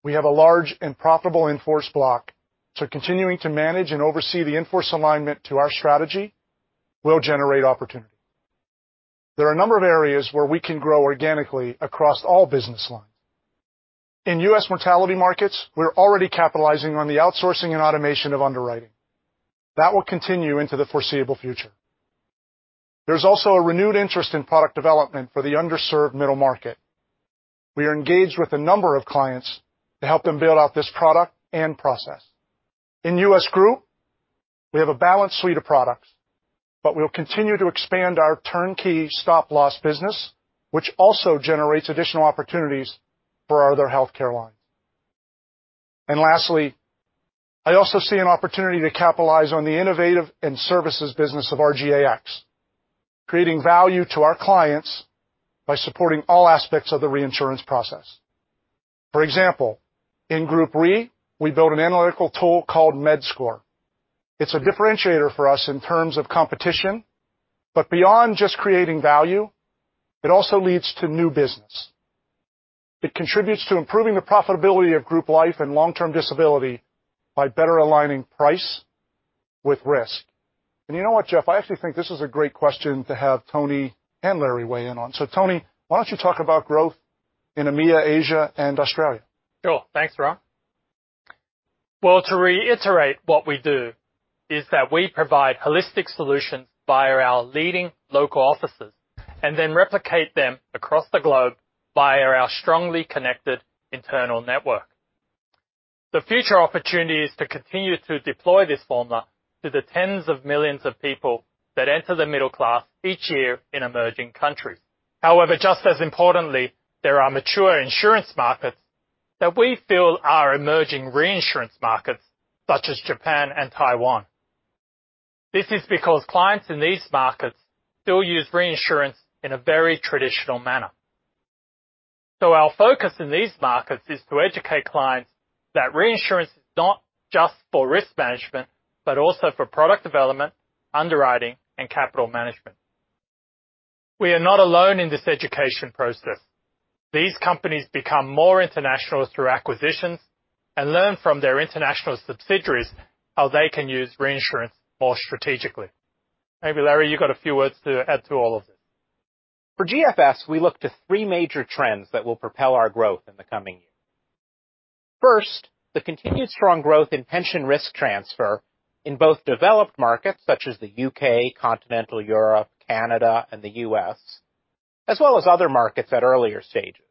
We have a large and profitable in-force block, so continuing to manage and oversee the in-force alignment to our strategy will generate opportunity. There are a number of areas where we can grow organically across all business lines. In U.S. mortality markets, we're already capitalizing on the outsourcing and automation of underwriting. That will continue into the foreseeable future. There's also a renewed interest in product development for the underserved middle market. We are engaged with a number of clients to help them build out this product and process. In US Group, we have a balanced suite of products, but we'll continue to expand our turnkey stop loss business, which also generates additional opportunities for our other healthcare lines. Lastly, I also see an opportunity to capitalize on the innovative and services business of RGAX, creating value to our clients by supporting all aspects of the reinsurance process. For example, in Group Re, we built an analytical tool called MedScore. It's a differentiator for us in terms of competition, but beyond just creating value, it also leads to new business. It contributes to improving the profitability of group life and long-term disability by better aligning price with risk. You know what, Jeff? I actually think this is a great question to have Tony and Larry weigh in on. Tony, why don't you talk about growth in EMEA, Asia, and Australia? Sure. Thanks, Ron. Well, to reiterate what we do is that we provide holistic solutions via our leading local offices and then replicate them across the globe via our strongly connected internal network. The future opportunity is to continue to deploy this formula to the tens of millions of people that enter the middle class each year in emerging countries. However, just as importantly, there are mature insurance markets that we feel are emerging reinsurance markets, such as Japan and Taiwan. This is because clients in these markets still use reinsurance in a very traditional manner. Our focus in these markets is to educate clients that reinsurance is not just for risk management, but also for product development, underwriting, and capital management. We are not alone in this education process. These companies become more international through acquisitions and learn from their international subsidiaries how they can use reinsurance more strategically. Maybe, Larry, you got a few words to add to all of this. For GFS, we look to three major trends that will propel our growth in the coming year. First, the continued strong growth in pension risk transfer in both developed markets such as the U.K., continental Europe, Canada, and the U.S., as well as other markets at earlier stages.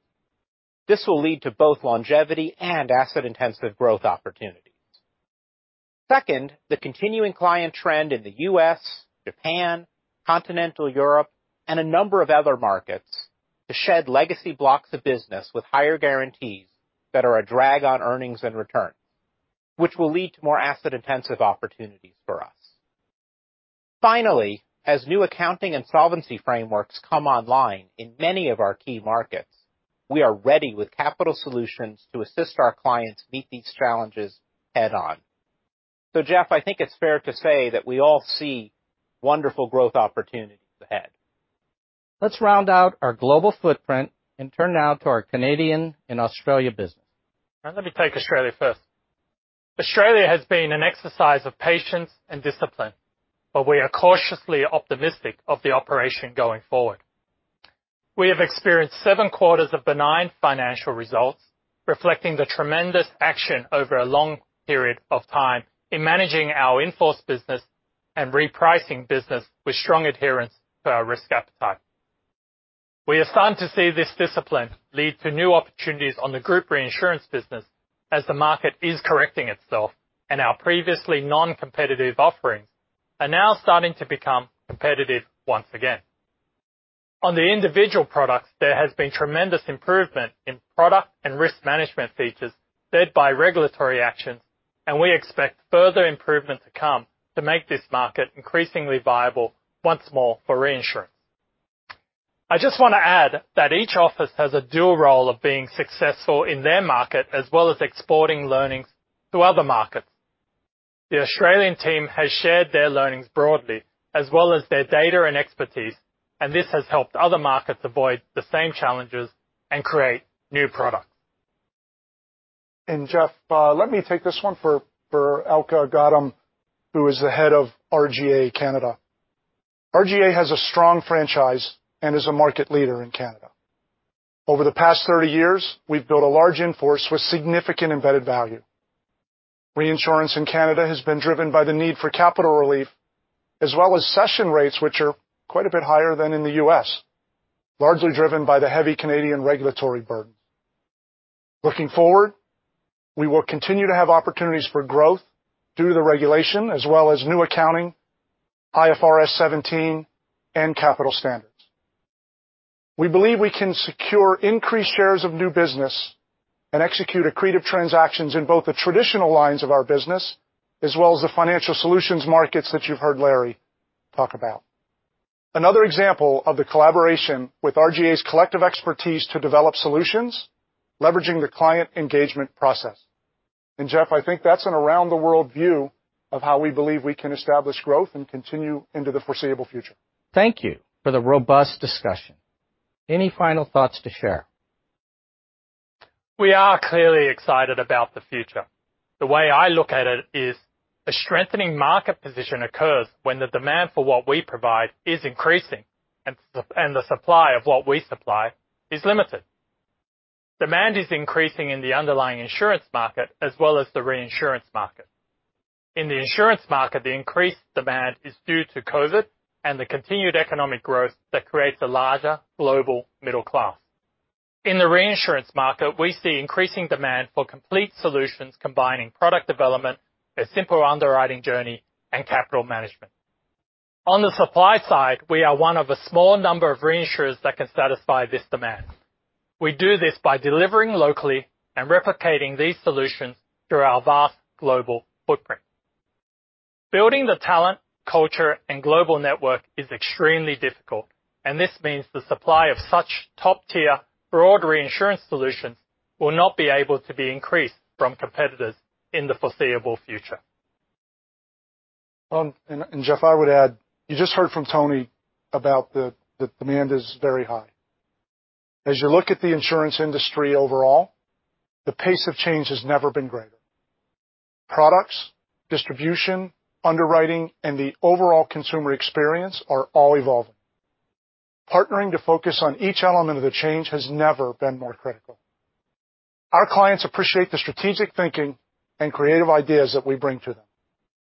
This will lead to both longevity and asset-intensive growth opportunities. Second, the continuing client trend in the U.S., Japan, continental Europe, and a number of other markets to shed legacy blocks of business with higher guarantees that are a drag on earnings and returns, which will lead to more asset-intensive opportunities for us. Finally, as new accounting and solvency frameworks come online in many of our key markets, we are ready with capital solutions to assist our clients meet these challenges head-on. Jeff, I think it's fair to say that we all see wonderful growth opportunities ahead. Let's round out our global footprint and turn now to our Canadian and Australian business. Now let me take Australia first. Australia has been an exercise of patience and discipline, but we are cautiously optimistic of the operation going forward. We have experienced seven quarters of benign financial results, reflecting the tremendous action over a long period of time in managing our in-force business and repricing business with strong adherence to our risk appetite. We are starting to see this discipline lead to new opportunities on the group reinsurance business as the market is correcting itself and our previously non-competitive offerings are now starting to become competitive once again. On the individual products, there has been tremendous improvement in product and risk management features led by regulatory actions, and we expect further improvement to come to make this market increasingly viable once more for reinsurance. I just want to add that each office has a dual role of being successful in their market, as well as exporting learnings to other markets. The Australian team has shared their learnings broadly, as well as their data and expertise, and this has helped other markets avoid the same challenges and create new products. Jeff, let me take this one for Alka Gautam, who is the head of RGA Canada. RGA has a strong franchise and is a market leader in Canada. Over the past 30 years, we've built a large in-force with significant embedded value. Reinsurance in Canada has been driven by the need for capital relief as well as cession rates, which are quite a bit higher than in the U.S., largely driven by the heavy Canadian regulatory burden. Looking forward, we will continue to have opportunities for growth due to the regulation as well as new accounting, IFRS 17 and capital standards. We believe we can secure increased shares of new business and execute accretive transactions in both the traditional lines of our business as well as the financial solutions markets that you've heard Larry talk about. Another example of the collaboration with RGA's collective expertise to develop solutions, leveraging the client engagement process. Jeff, I think that's an around the world view of how we believe we can establish growth and continue into the foreseeable future. Thank you for the robust discussion. Any final thoughts to share? We are clearly excited about the future. The way I look at it is a strengthening market position occurs when the demand for what we provide is increasing and the supply of what we supply is limited. Demand is increasing in the underlying insurance market as well as the reinsurance market. In the insurance market, the increased demand is due to COVID and the continued economic growth that creates a larger global middle class. In the reinsurance market, we see increasing demand for complete solutions combining product development, a simple underwriting journey, and capital management. On the supply side, we are one of a small number of reinsurers that can satisfy this demand. We do this by delivering locally and replicating these solutions through our vast global footprint. Building the talent, culture and global network is extremely difficult, and this means the supply of such top-tier broad reinsurance solutions will not be able to be increased by competitors in the foreseeable future. Jeff, I would add, you just heard from Tony about the demand is very high. As you look at the insurance industry overall, the pace of change has never been greater. Products, distribution, underwriting, and the overall consumer experience are all evolving. Partnering to focus on each element of the change has never been more critical. Our clients appreciate the strategic thinking and creative ideas that we bring to them.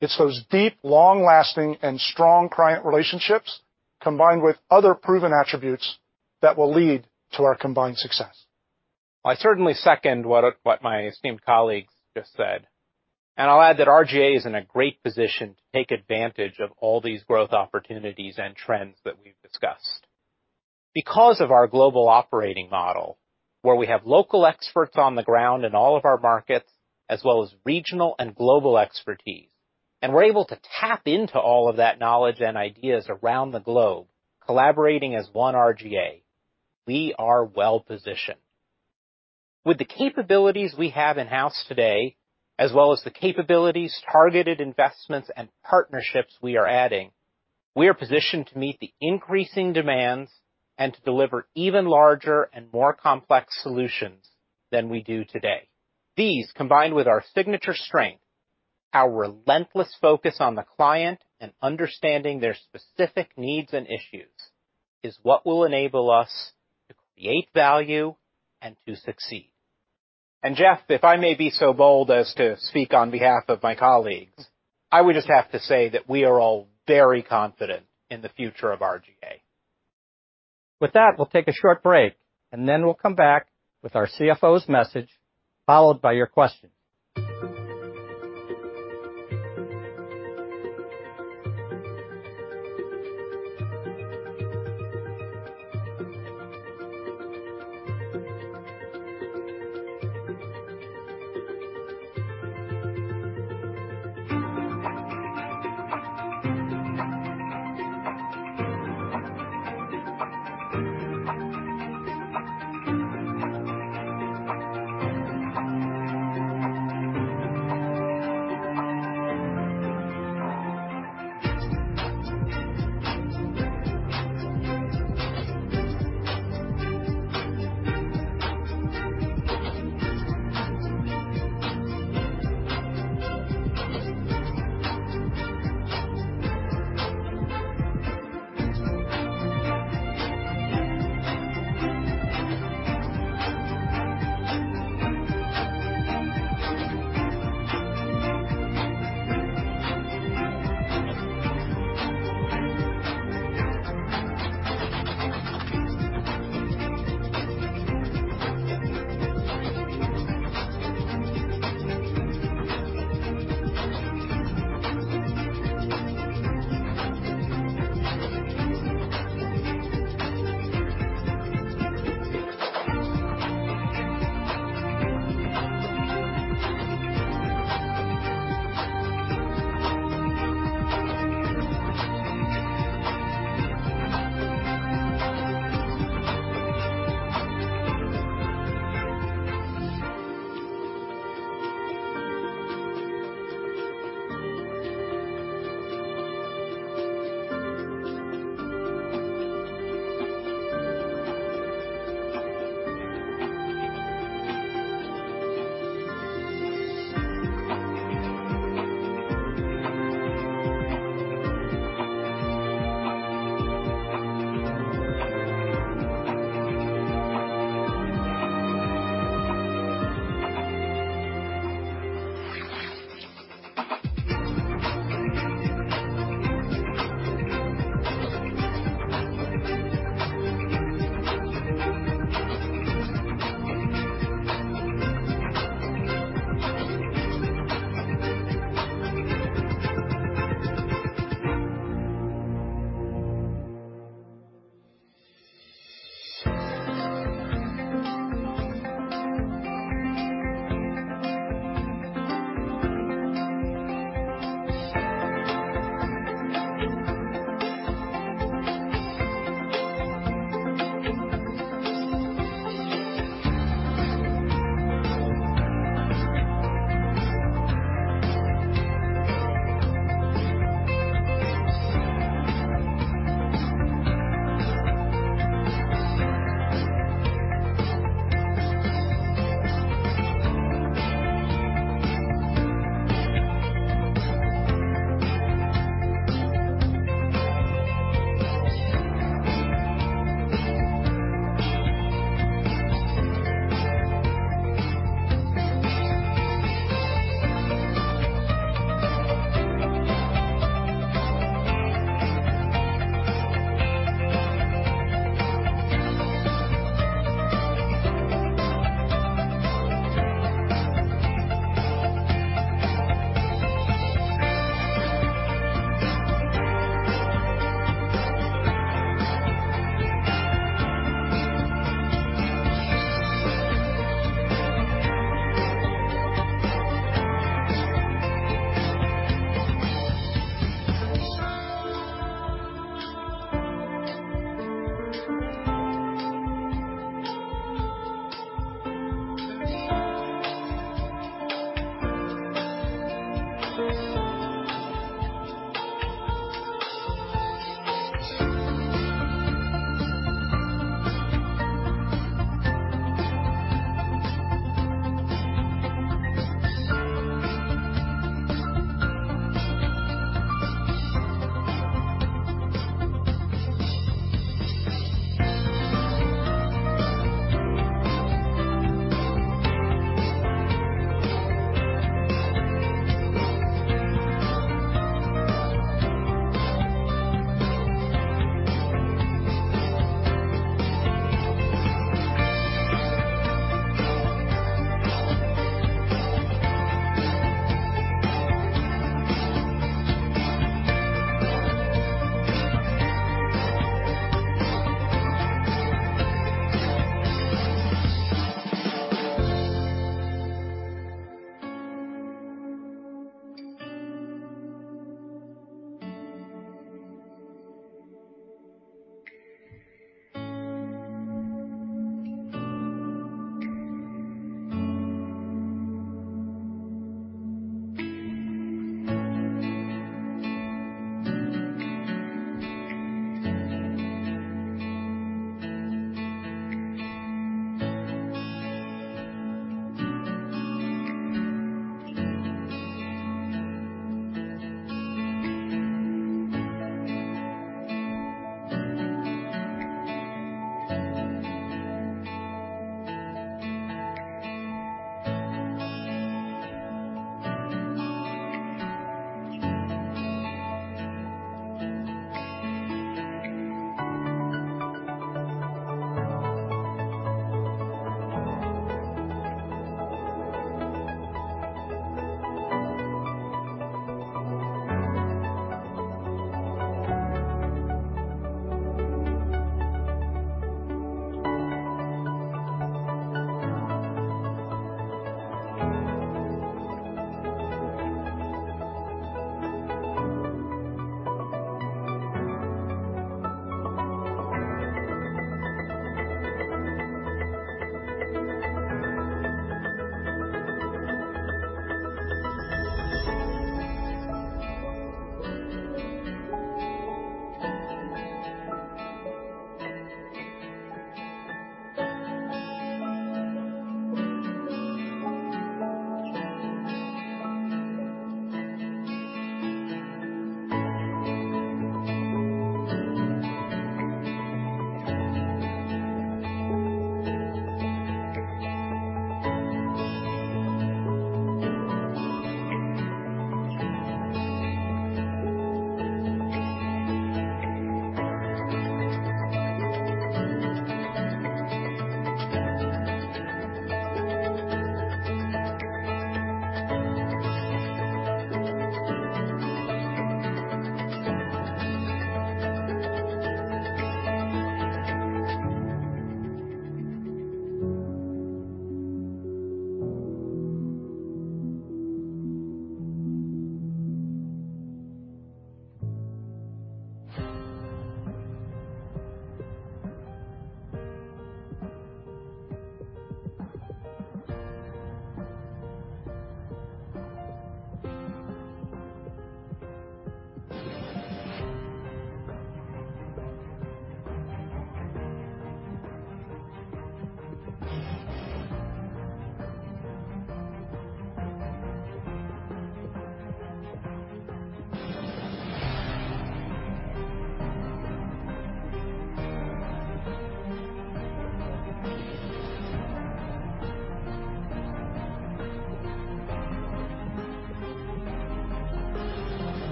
It's those deep, long-lasting and strong client relationships combined with other proven attributes that will lead to our combined success. I certainly second what my esteemed colleagues just said, and I'll add that RGA is in a great position to take advantage of all these growth opportunities and trends that we've discussed. Because of our global operating model, where we have local experts on the ground in all of our markets, as well as regional and global expertise, and we're able to tap into all of that knowledge and ideas around the globe collaborating as one RGA, we are well-positioned. With the capabilities we have in-house today, as well as the capabilities, targeted investments, and partnerships we are adding, we are positioned to meet the increasing demands and to deliver even larger and more complex solutions than we do today. These, combined with our signature strength, our relentless focus on the client and understanding their specific needs and issues, is what will enable us to create value and to succeed. Jeff, if I may be so bold as to speak on behalf of my colleagues, I would just have to say that we are all very confident in the future of RGA. With that, we'll take a short break, and then we'll come back with our CFO's message, followed by your questions.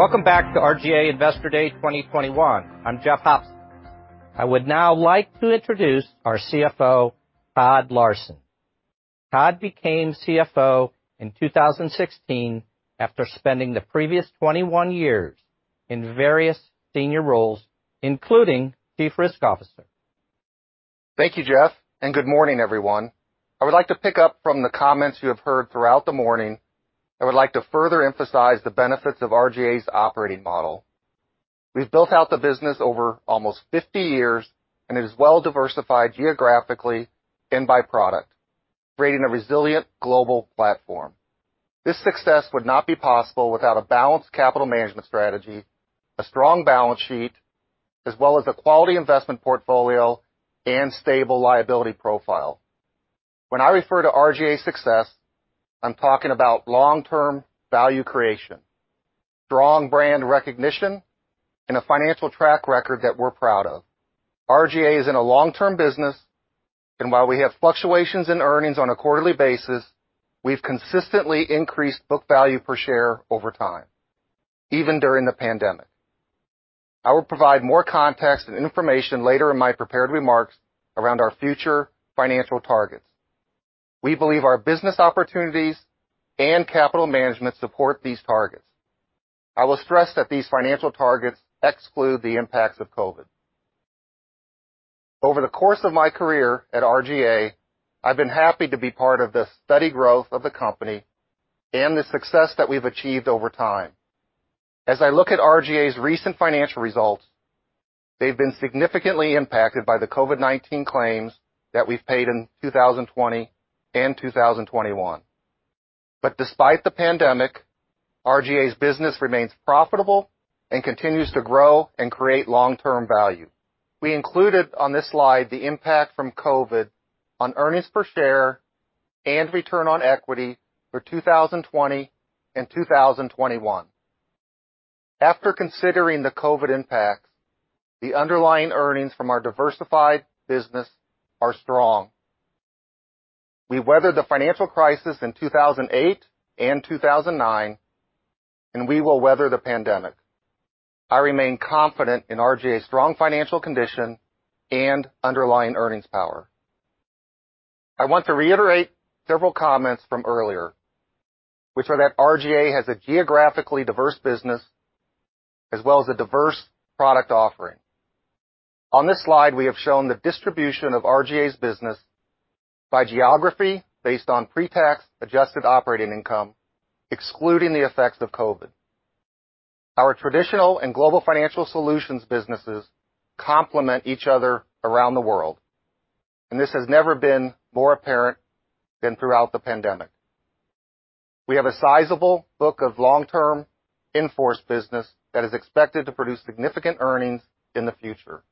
Welcome back to RGA Investor Day 2021. I'm Jeff Hopson. I would now like to introduce our CFO, Todd Larson. Todd became CFO in 2016 after spending the previous 21 years in various senior roles, including Chief Risk Officer. Thank you, Jeff, and good morning, everyone. I would like to pick up from the comments you have heard throughout the morning. I would like to further emphasize the benefits of RGA's operating model. We've built out the business over almost 50 years, and it is well-diversified geographically and by product, creating a resilient global platform. This success would not be possible without a balanced capital management strategy, a strong balance sheet, as well as a quality investment portfolio and stable liability profile. When I refer to RGA's success, I'm talking about long-term value creation, strong brand recognition, and a financial track record that we're proud of. RGA is in a long-term business, and while we have fluctuations in earnings on a quarterly basis, we've consistently increased book value per share over time, even during the pandemic. I will provide more context and information later in my prepared remarks around our future financial targets. We believe our business opportunities and capital management support these targets. I will stress that these financial targets exclude the impacts of COVID. Over the course of my career at RGA, I've been happy to be part of the steady growth of the company and the success that we've achieved over time. As I look at RGA's recent financial results, they've been significantly impacted by the COVID-19 claims that we've paid in 2020 and 2021. Despite the pandemic, RGA's business remains profitable and continues to grow and create long-term value. We included on this slide the impact from COVID on earnings per share and return on equity for 2020 and 2021. After considering the COVID impacts, the underlying earnings from our diversified business are strong. We weathered the financial crisis in 2008 and 2009, and we will weather the pandemic. I remain confident in RGA's strong financial condition and underlying earnings power. I want to reiterate several comments from earlier, which are that RGA has a geographically diverse business as well as a diverse product offering. On this slide, we have shown the distribution of RGA's business by geography based on pre-tax adjusted operating income, excluding the effects of COVID. Our traditional and global financial solutions businesses complement each other around the world, and this has never been more apparent than throughout the pandemic. We have a sizable book of long-term in-force business that is expected to produce significant earnings in the future.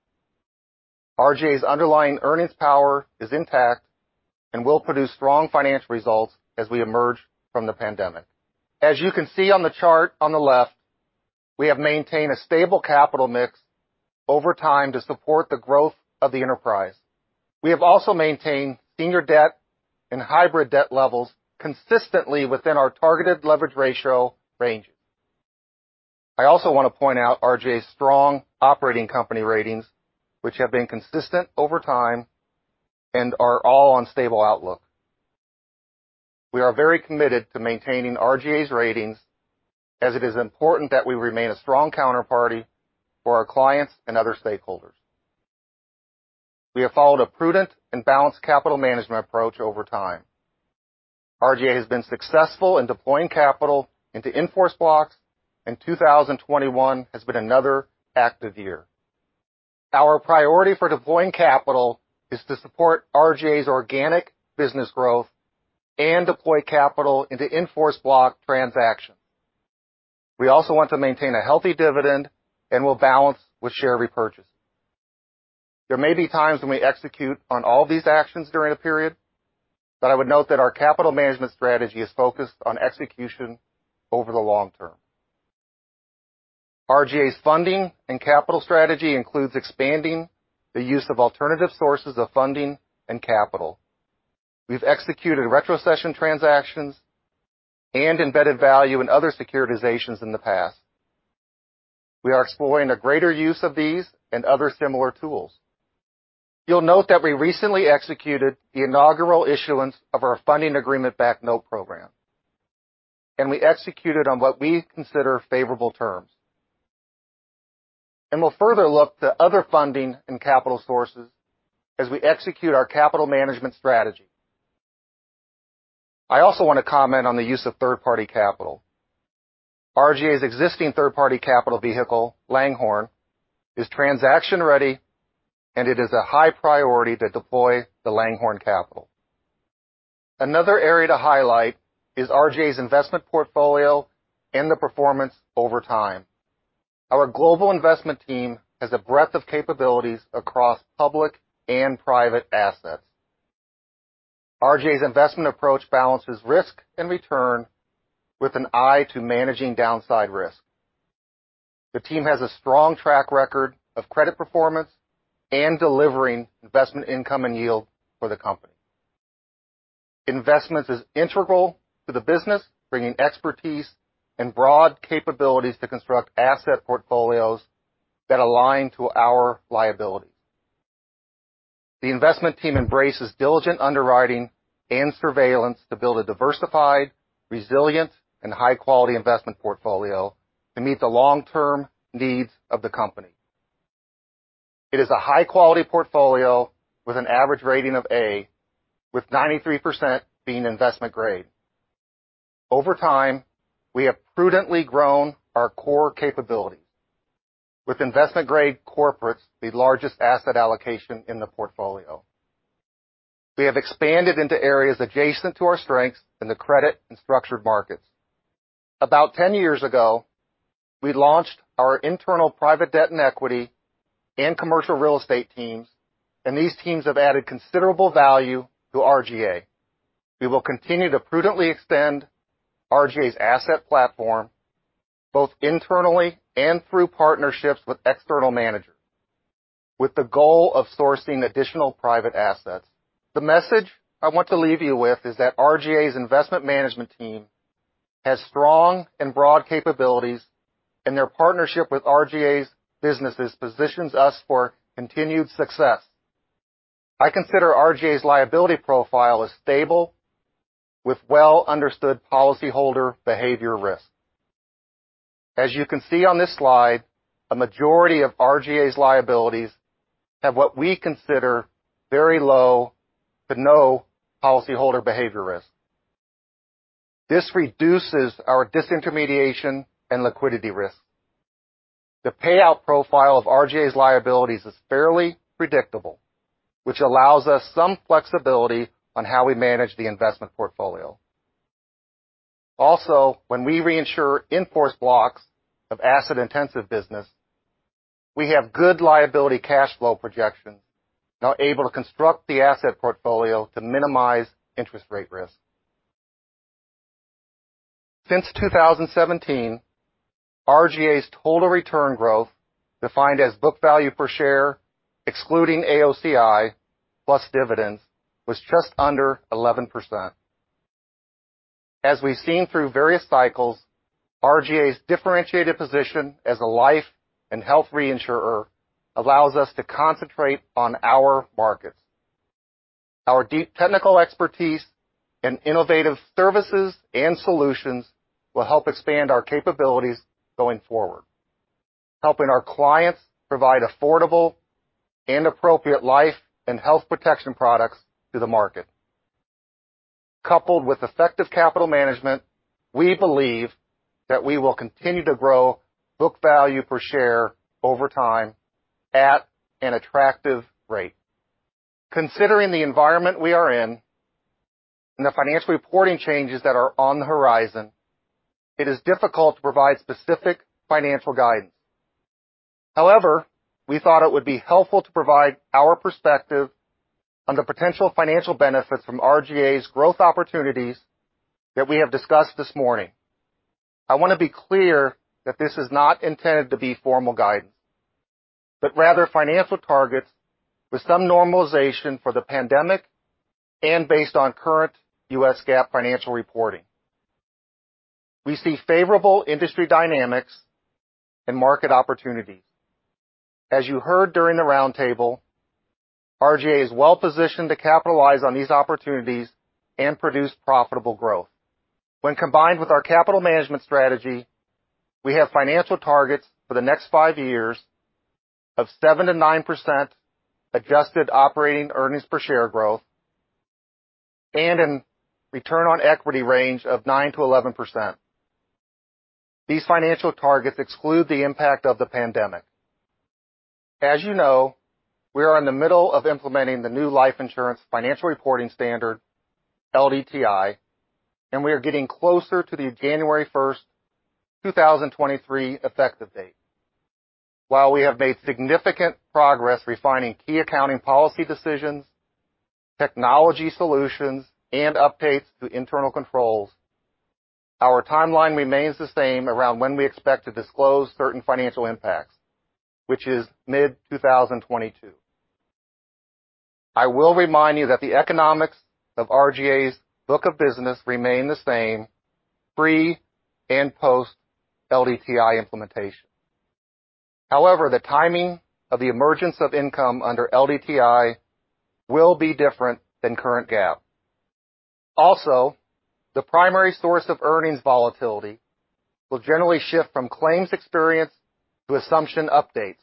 RGA's underlying earnings power is intact and will produce strong financial results as we emerge from the pandemic. As you can see on the chart on the left, we have maintained a stable capital mix over time to support the growth of the enterprise. We have also maintained senior debt and hybrid debt levels consistently within our targeted leverage ratio ranges. I also want to point out RGA's strong operating company ratings, which have been consistent over time and are all on stable outlook. We are very committed to maintaining RGA's ratings as it is important that we remain a strong counterparty for our clients and other stakeholders. We have followed a prudent and balanced capital management approach over time. RGA has been successful in deploying capital into in-force blocks, and 2021 has been another active year. Our priority for deploying capital is to support RGA's organic business growth and deploy capital into in-force block transactions. We also want to maintain a healthy dividend, and we'll balance with share repurchase. There may be times when we execute on all these actions during a period, but I would note that our capital management strategy is focused on execution over the long term. RGA's funding and capital strategy includes expanding the use of alternative sources of funding and capital. We've executed retrocession transactions and embedded value in other securitizations in the past. We are exploring a greater use of these and other similar tools. You'll note that we recently executed the inaugural issuance of our funding agreement-backed note program, and we executed on what we consider favorable terms. We'll further look to other funding and capital sources as we execute our capital management strategy. I also want to comment on the use of third-party capital. RGA's existing third-party capital vehicle, Langhorne, is transaction-ready, and it is a high priority to deploy the Langhorne capital. Another area to highlight is RGA's investment portfolio and the performance over time. Our global investment team has a breadth of capabilities across public and private assets. RGA's investment approach balances risk and return with an eye to managing downside risk. The team has a strong track record of credit performance and delivering investment income and yield for the company. Investments is integral to the business, bringing expertise and broad capabilities to construct asset portfolios that align to our liabilities. The investment team embraces diligent underwriting and surveillance to build a diversified, resilient, and high-quality investment portfolio to meet the long-term needs of the company. It is a high-quality portfolio with an average rating of A, with 93% being investment grade. Over time, we have prudently grown our core capabilities, with investment-grade corporates the largest asset allocation in the portfolio. We have expanded into areas adjacent to our strengths in the credit and structured markets. About 10 years ago, we launched our internal private debt and equity and commercial real estate teams, and these teams have added considerable value to RGA. We will continue to prudently extend RGA's asset platform, both internally and through partnerships with external managers, with the goal of sourcing additional private assets. The message I want to leave you with is that RGA's investment management team has strong and broad capabilities, and their partnership with RGA's businesses positions us for continued success. I consider RGA's liability profile as stable with well-understood policyholder behavior risk. As you can see on this slide, a majority of RGA's liabilities have what we consider very low to no policyholder behavior risk. This reduces our disintermediation and liquidity risk. The payout profile of RGA's liabilities is fairly predictable, which allows us some flexibility on how we manage the investment portfolio. Also, when we reinsure in-force blocks of asset-intensive business, we have good liability cash flow projections, now able to construct the asset portfolio to minimize interest rate risk. Since 2017, RGA's total return growth, defined as book value per share, excluding AOCI plus dividends, was just under 11%. As we've seen through various cycles, RGA's differentiated position as a life and health reinsurer allows us to concentrate on our markets. Our deep technical expertise and innovative services and solutions will help expand our capabilities going forward, helping our clients provide affordable and appropriate life and health protection products to the market. Coupled with effective capital management, we believe that we will continue to grow book value per share over time at an attractive rate. Considering the environment we are in and the financial reporting changes that are on the horizon, it is difficult to provide specific financial guidance. However, we thought it would be helpful to provide our perspective on the potential financial benefits from RGA's growth opportunities that we have discussed this morning. I want to be clear that this is not intended to be formal guidance, but rather financial targets with some normalization for the pandemic and based on current U.S. GAAP financial reporting. We see favorable industry dynamics and market opportunities. As you heard during the roundtable, RGA is well-positioned to capitalize on these opportunities and produce profitable growth. When combined with our capital management strategy. We have financial targets for the next five years of 7%-9% adjusted operating earnings per share growth and a return on equity range of 9%-11%. These financial targets exclude the impact of the pandemic. As you know, we are in the middle of implementing the new life insurance financial reporting standard, LDTI, and we are getting closer to the January 1st, 2023 effective date. While we have made significant progress refining key accounting policy decisions, technology solutions, and updates to internal controls, our timeline remains the same around when we expect to disclose certain financial impacts, which is mid-2022. I will remind you that the economics of RGA's book of business remain the same pre and post LDTI implementation. However, the timing of the emergence of income under LDTI will be different than current GAAP. Also, the primary source of earnings volatility will generally shift from claims experience to assumption updates.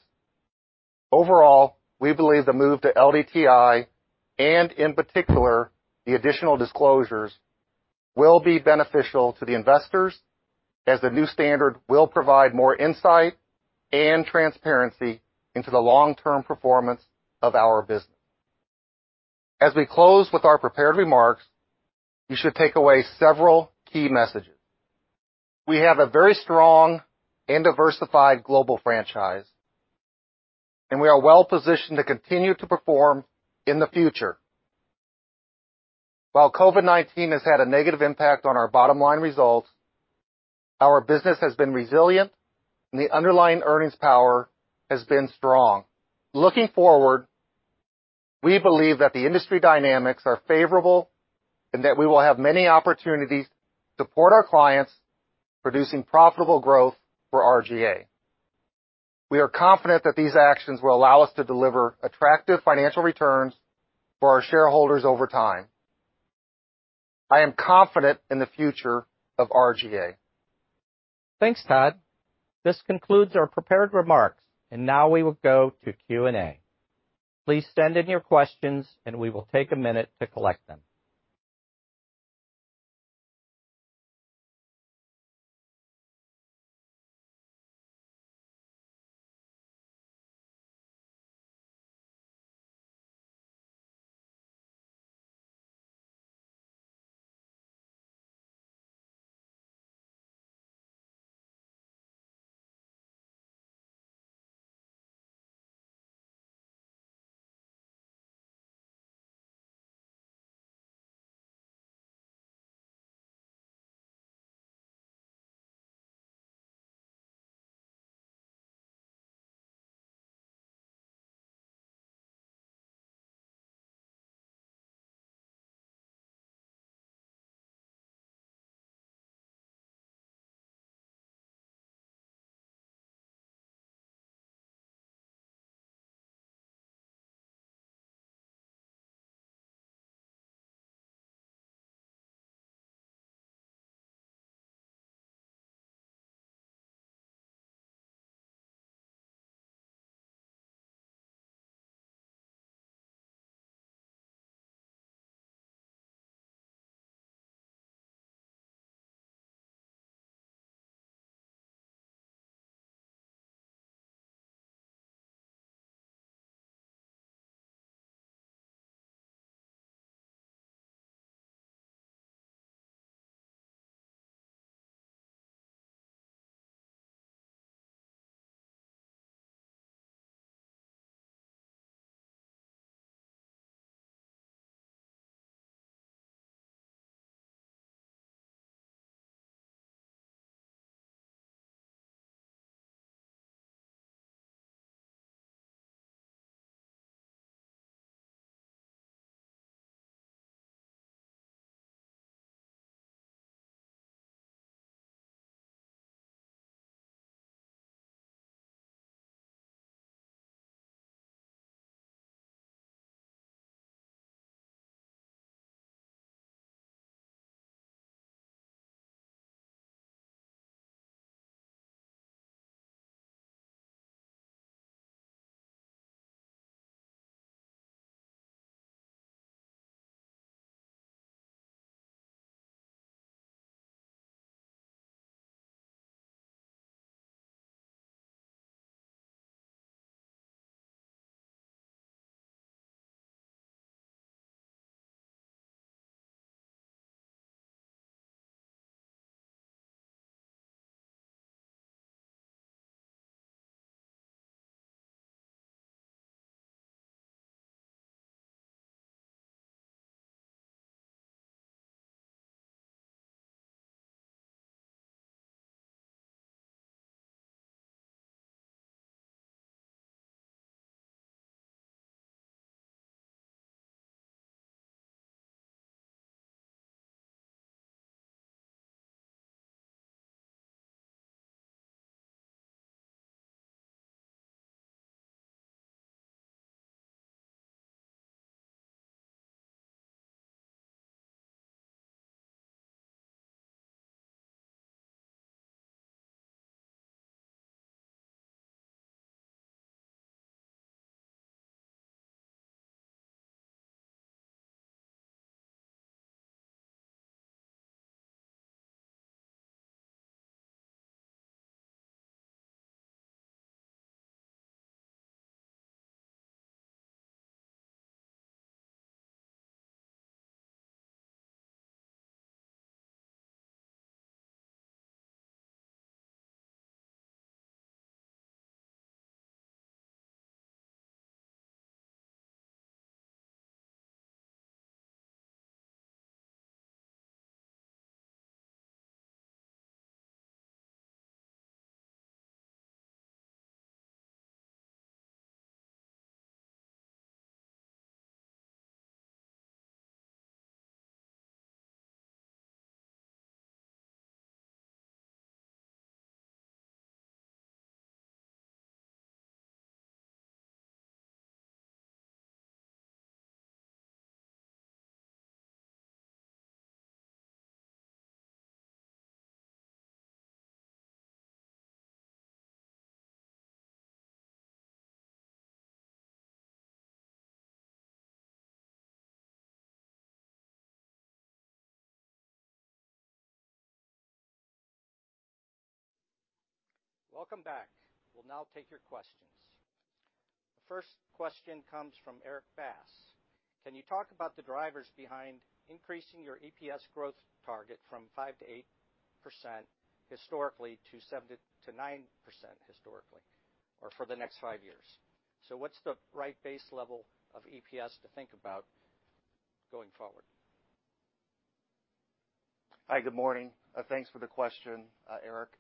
Overall, we believe the move to LDTI, and in particular, the additional disclosures, will be beneficial to the investors as the new standard will provide more insight and transparency into the long-term performance of our business. As we close with our prepared remarks, you should take away several key messages. We have a very strong and diversified global franchise, and we are well-positioned to continue to perform in the future. While COVID-19 has had a negative impact on our bottom-line results, our business has been resilient, and the underlying earnings power has been strong. Looking forward, we believe that the industry dynamics are favorable and that we will have many opportunities to support our clients, producing profitable growth for RGA. We are confident that these actions will allow us to deliver attractive financial returns for our shareholders over time. I am confident in the future of RGA. Thanks, Todd. This concludes our prepared remarks, and now we will go to Q&A. Please send in your questions, and we will take a minute to collect them. Welcome back. We'll now take your questions. The first question comes from Erik Bass. Can you talk about the drivers behind increasing your EPS growth target from 5%-8% historically to 7%-9% historically or for the next 5 years? So what's the right base level of EPS to think about going forward? Hi, good morning. Thanks for the question, Eric.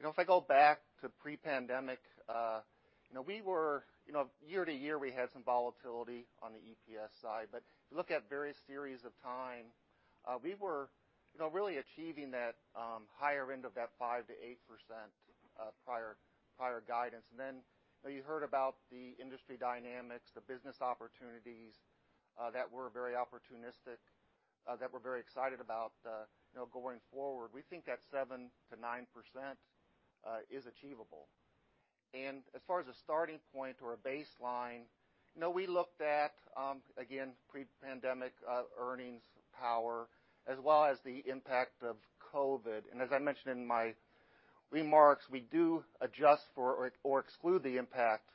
You know, if I go back to pre-pandemic, you know, we were, you know, year to year, we had some volatility on the EPS side. If you look at various series of time, we were, you know, really achieving that higher end of that 5%-8% prior guidance. You know, you heard about the industry dynamics, the business opportunities that were very opportunistic that we're very excited about, you know, going forward. We think that 7%-9% is achievable. As far as a starting point or a baseline, you know, we looked at, again, pre-pandemic earnings power as well as the impact of COVID. As I mentioned in my remarks, we do adjust for or exclude the impact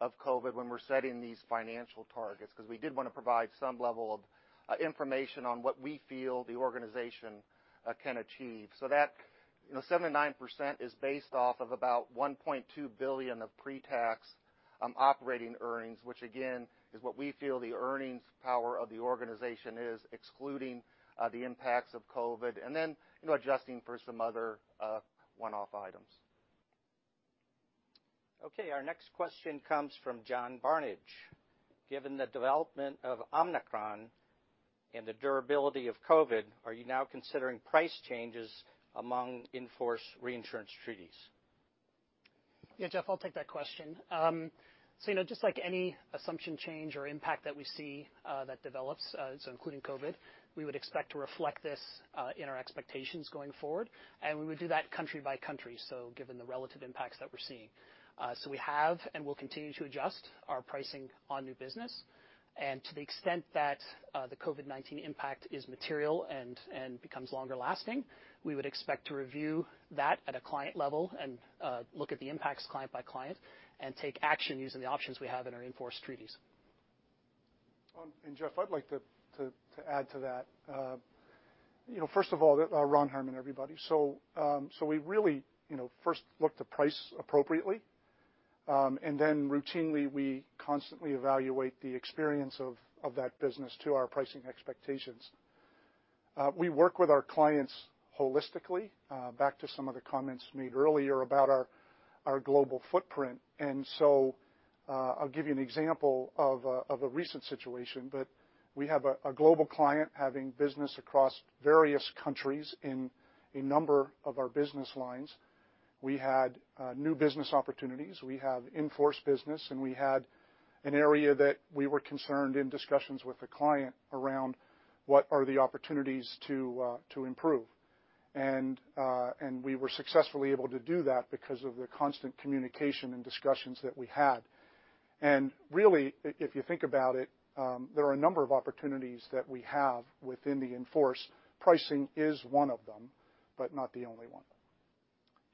of COVID when we're setting these financial targets, because we did want to provide some level of information on what we feel the organization can achieve. That, you know, 7%-9% is based off of about $1.2 billion of pre-tax operating earnings, which again, is what we feel the earnings power of the organization is excluding the impacts of COVID, and then, you know, adjusting for some other one-off items. Okay. Our next question comes from John Barnidge. Given the development of Omicron and the durability of COVID, are you now considering price changes among in-force reinsurance treaties? Yeah, Jeff, I'll take that question. So you know, just like any assumption change or impact that we see, that develops, so including COVID, we would expect to reflect this, in our expectations going forward, and we would do that country by country, so given the relative impacts that we're seeing. We have and will continue to adjust our pricing on new business. To the extent that, the COVID-19 impact is material and becomes longer lasting, we would expect to review that at a client level and, look at the impacts client by client and take action using the options we have in our in-force treaties. Jeff, I'd like to add to that. You know, first of all, Ron Herrmann, everybody. We really, you know, first look to price appropriately, and then routinely, we constantly evaluate the experience of that business to our pricing expectations. We work with our clients holistically, back to some of the comments made earlier about our global footprint. I'll give you an example of a recent situation, but we have a global client having business across various countries in a number of our business lines. We had new business opportunities. We have in-force business, and we had an area that we were concerned in discussions with the client around what are the opportunities to improve. We were successfully able to do that because of the constant communication and discussions that we had. Really, if you think about it, there are a number of opportunities that we have within the in-force. Pricing is one of them, but not the only one.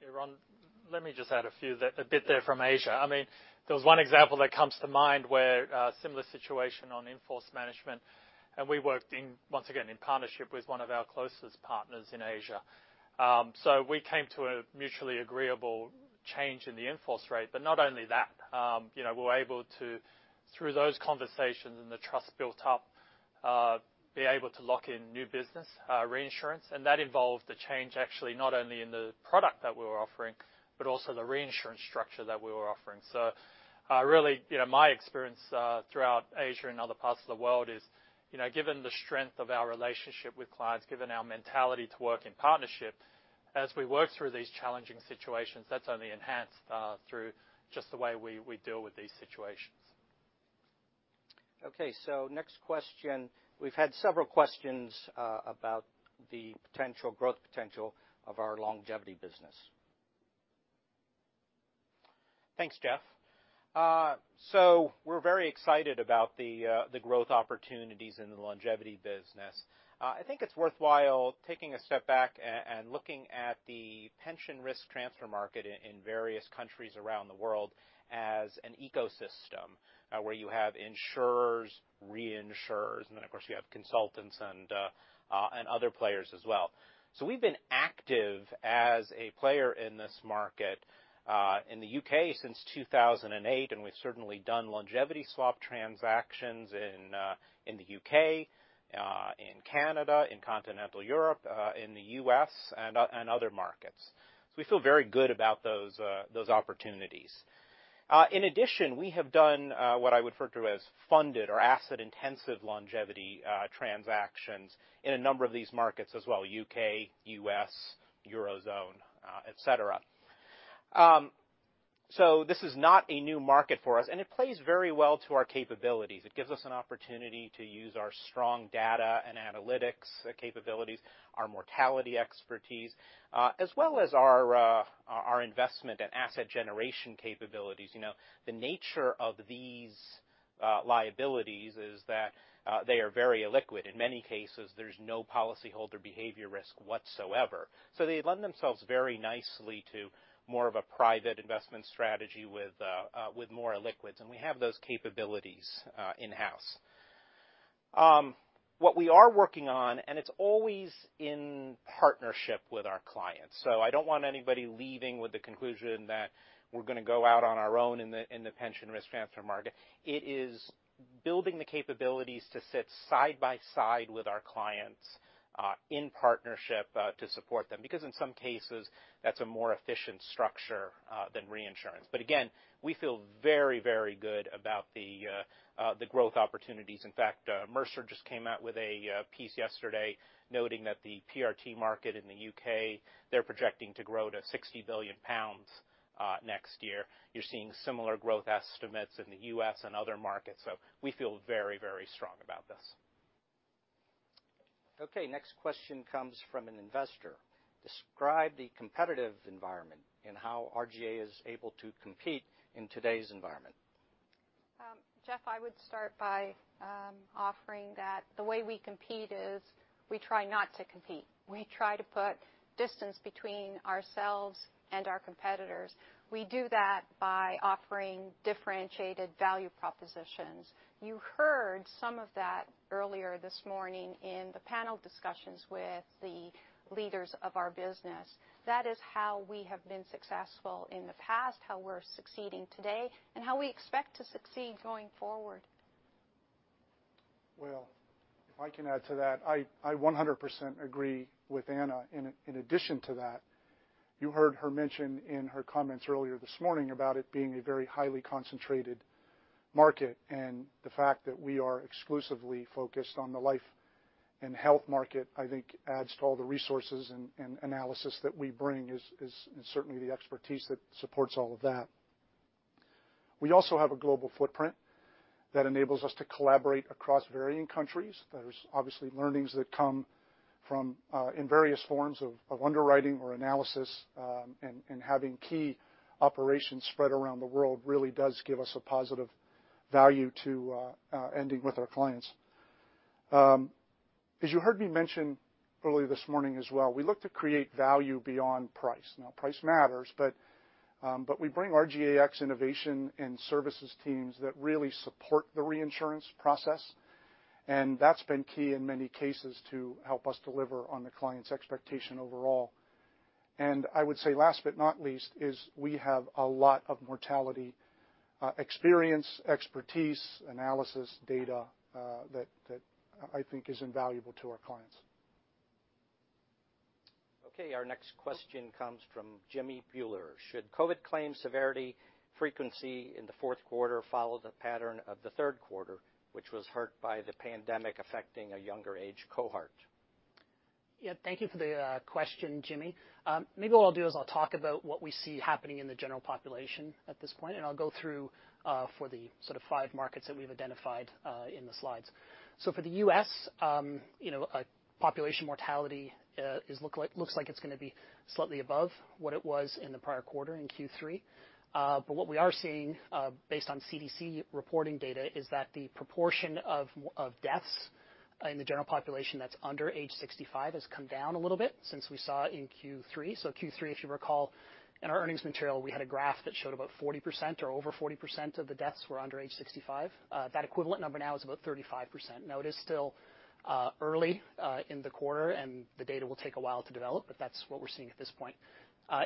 Yeah, Ron, let me just add a few there, a bit there from Asia. I mean, there was one example that comes to mind where a similar situation on in-force management, and we worked in, once again, in partnership with one of our closest partners in Asia. We came to a mutually agreeable change in the in-force rate. Not only that, you know, we were able to, through those conversations and the trust built up, be able to lock in new business, reinsurance, and that involved a change actually not only in the product that we were offering, but also the reinsurance structure that we were offering. Really, you know, my experience throughout Asia and other parts of the world is, you know, given the strength of our relationship with clients, given our mentality to work in partnership, as we work through these challenging situations, that's only enhanced through just the way we deal with these situations. Okay. Next question. We've had several questions about the potential growth potential of our longevity business. Thanks, Jeff. We're very excited about the growth opportunities in the longevity business. I think it's worthwhile taking a step back and looking at the pension risk transfer market in various countries around the world as an ecosystem, where you have insurers, reinsurers, and then, of course, you have consultants and other players as well. We've been active as a player in this market in the U.K. since 2008, and we've certainly done longevity swap transactions in the U.K., in Canada, in Continental Europe, in the U.S., and other markets. We feel very good about those opportunities. In addition, we have done what I would refer to as funded or asset intensive longevity transactions in a number of these markets as well, U.K., U.S., Eurozone, et cetera. This is not a new market for us, and it plays very well to our capabilities. It gives us an opportunity to use our strong data and analytics capabilities, our mortality expertise, as well as our investment and asset generation capabilities. You know, the nature of these liabilities is that they are very illiquid. In many cases, there's no policyholder behavior risk whatsoever. They lend themselves very nicely to more of a private investment strategy with more illiquids, and we have those capabilities in-house. What we are working on, and it's always in partnership with our clients, so I don't want anybody leaving with the conclusion that we're gonna go out on our own in the pension risk transfer market. It is building the capabilities to sit side by side with our clients, in partnership, to support them because in some cases, that's a more efficient structure than reinsurance. Again, we feel very, very good about the growth opportunities. In fact, Mercer just came out with a piece yesterday noting that the PRT market in the U.K., they're projecting to grow to 60 billion pounds next year. You're seeing similar growth estimates in the U.S. and other markets, so we feel very, very strong about this. Okay. Next question comes from an investor. Describe the competitive environment and how RGA is able to compete in today's environment? Jeff, I would start by offering that the way we compete is we try not to compete. We try to put distance between ourselves and our competitors. We do that by offering differentiated value propositions. You heard some of that earlier this morning in the panel discussions with the leaders of our business. That is how we have been successful in the past, how we're succeeding today, and how we expect to succeed going forward. Well, if I can add to that, I 100% agree with Anna. In addition to that, you heard her mention in her comments earlier this morning about it being a very highly concentrated market, and the fact that we are exclusively focused on the life and health market, I think adds to all the resources and analysis that we bring is certainly the expertise that supports all of that. We also have a global footprint that enables us to collaborate across varying countries. There's obviously learnings that come from in various forms of underwriting or analysis, and having key operations spread around the world really does give us a positive value to engaging with our clients. As you heard me mention earlier this morning as well, we look to create value beyond price. Now price matters, but we bring RGAX innovation and services teams that really support the reinsurance process, and that's been key in many cases to help us deliver on the client's expectation overall. I would say, last but not least, we have a lot of mortality experience, expertise, analysis, data, that I think is invaluable to our clients. Okay. Our next question comes from Jimmy Bhullar. Should COVID claim severity frequency in the fourth quarter follow the pattern of the third quarter, which was hurt by the pandemic affecting a younger age cohort? Thank you for the question, Jimmy. Maybe what I'll do is I'll talk about what we see happening in the general population at this point, and I'll go through for the sort of five markets that we've identified in the slides. For the U.S., population mortality looks like it's gonna be slightly above what it was in the prior quarter in Q3. But what we are seeing based on CDC reporting data is that the proportion of deaths in the general population that's under age 65 has come down a little bit since we saw in Q3. Q3, if you recall, in our earnings material, we had a graph that showed about 40% or over 40% of the deaths were under age 65. That equivalent number now is about 35%. Now it is still early in the quarter, and the data will take a while to develop, but that's what we're seeing at this point.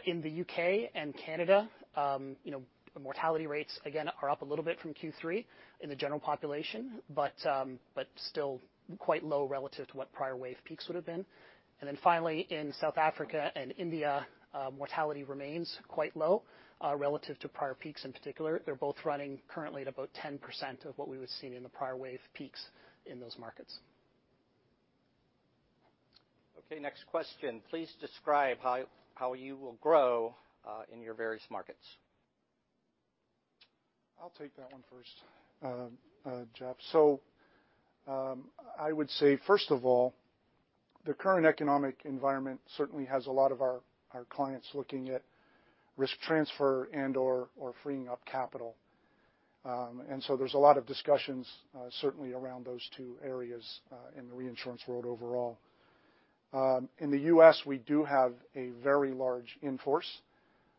In the U.K. and Canada, you know, mortality rates again are up a little bit from Q3 in the general population, but still quite low relative to what prior wave peaks would have been. Then finally, in South Africa and India, mortality remains quite low relative to prior peaks in particular. They're both running currently at about 10% of what we would have seen in the prior wave peaks in those markets. Okay, next question. Please describe how you will grow in your various markets. I'll take that one first, Jeff. I would say, first of all, the current economic environment certainly has a lot of our clients looking at risk transfer and/or freeing up capital. There's a lot of discussions certainly around those two areas in the reinsurance world overall. In the U.S., we do have a very large in-force.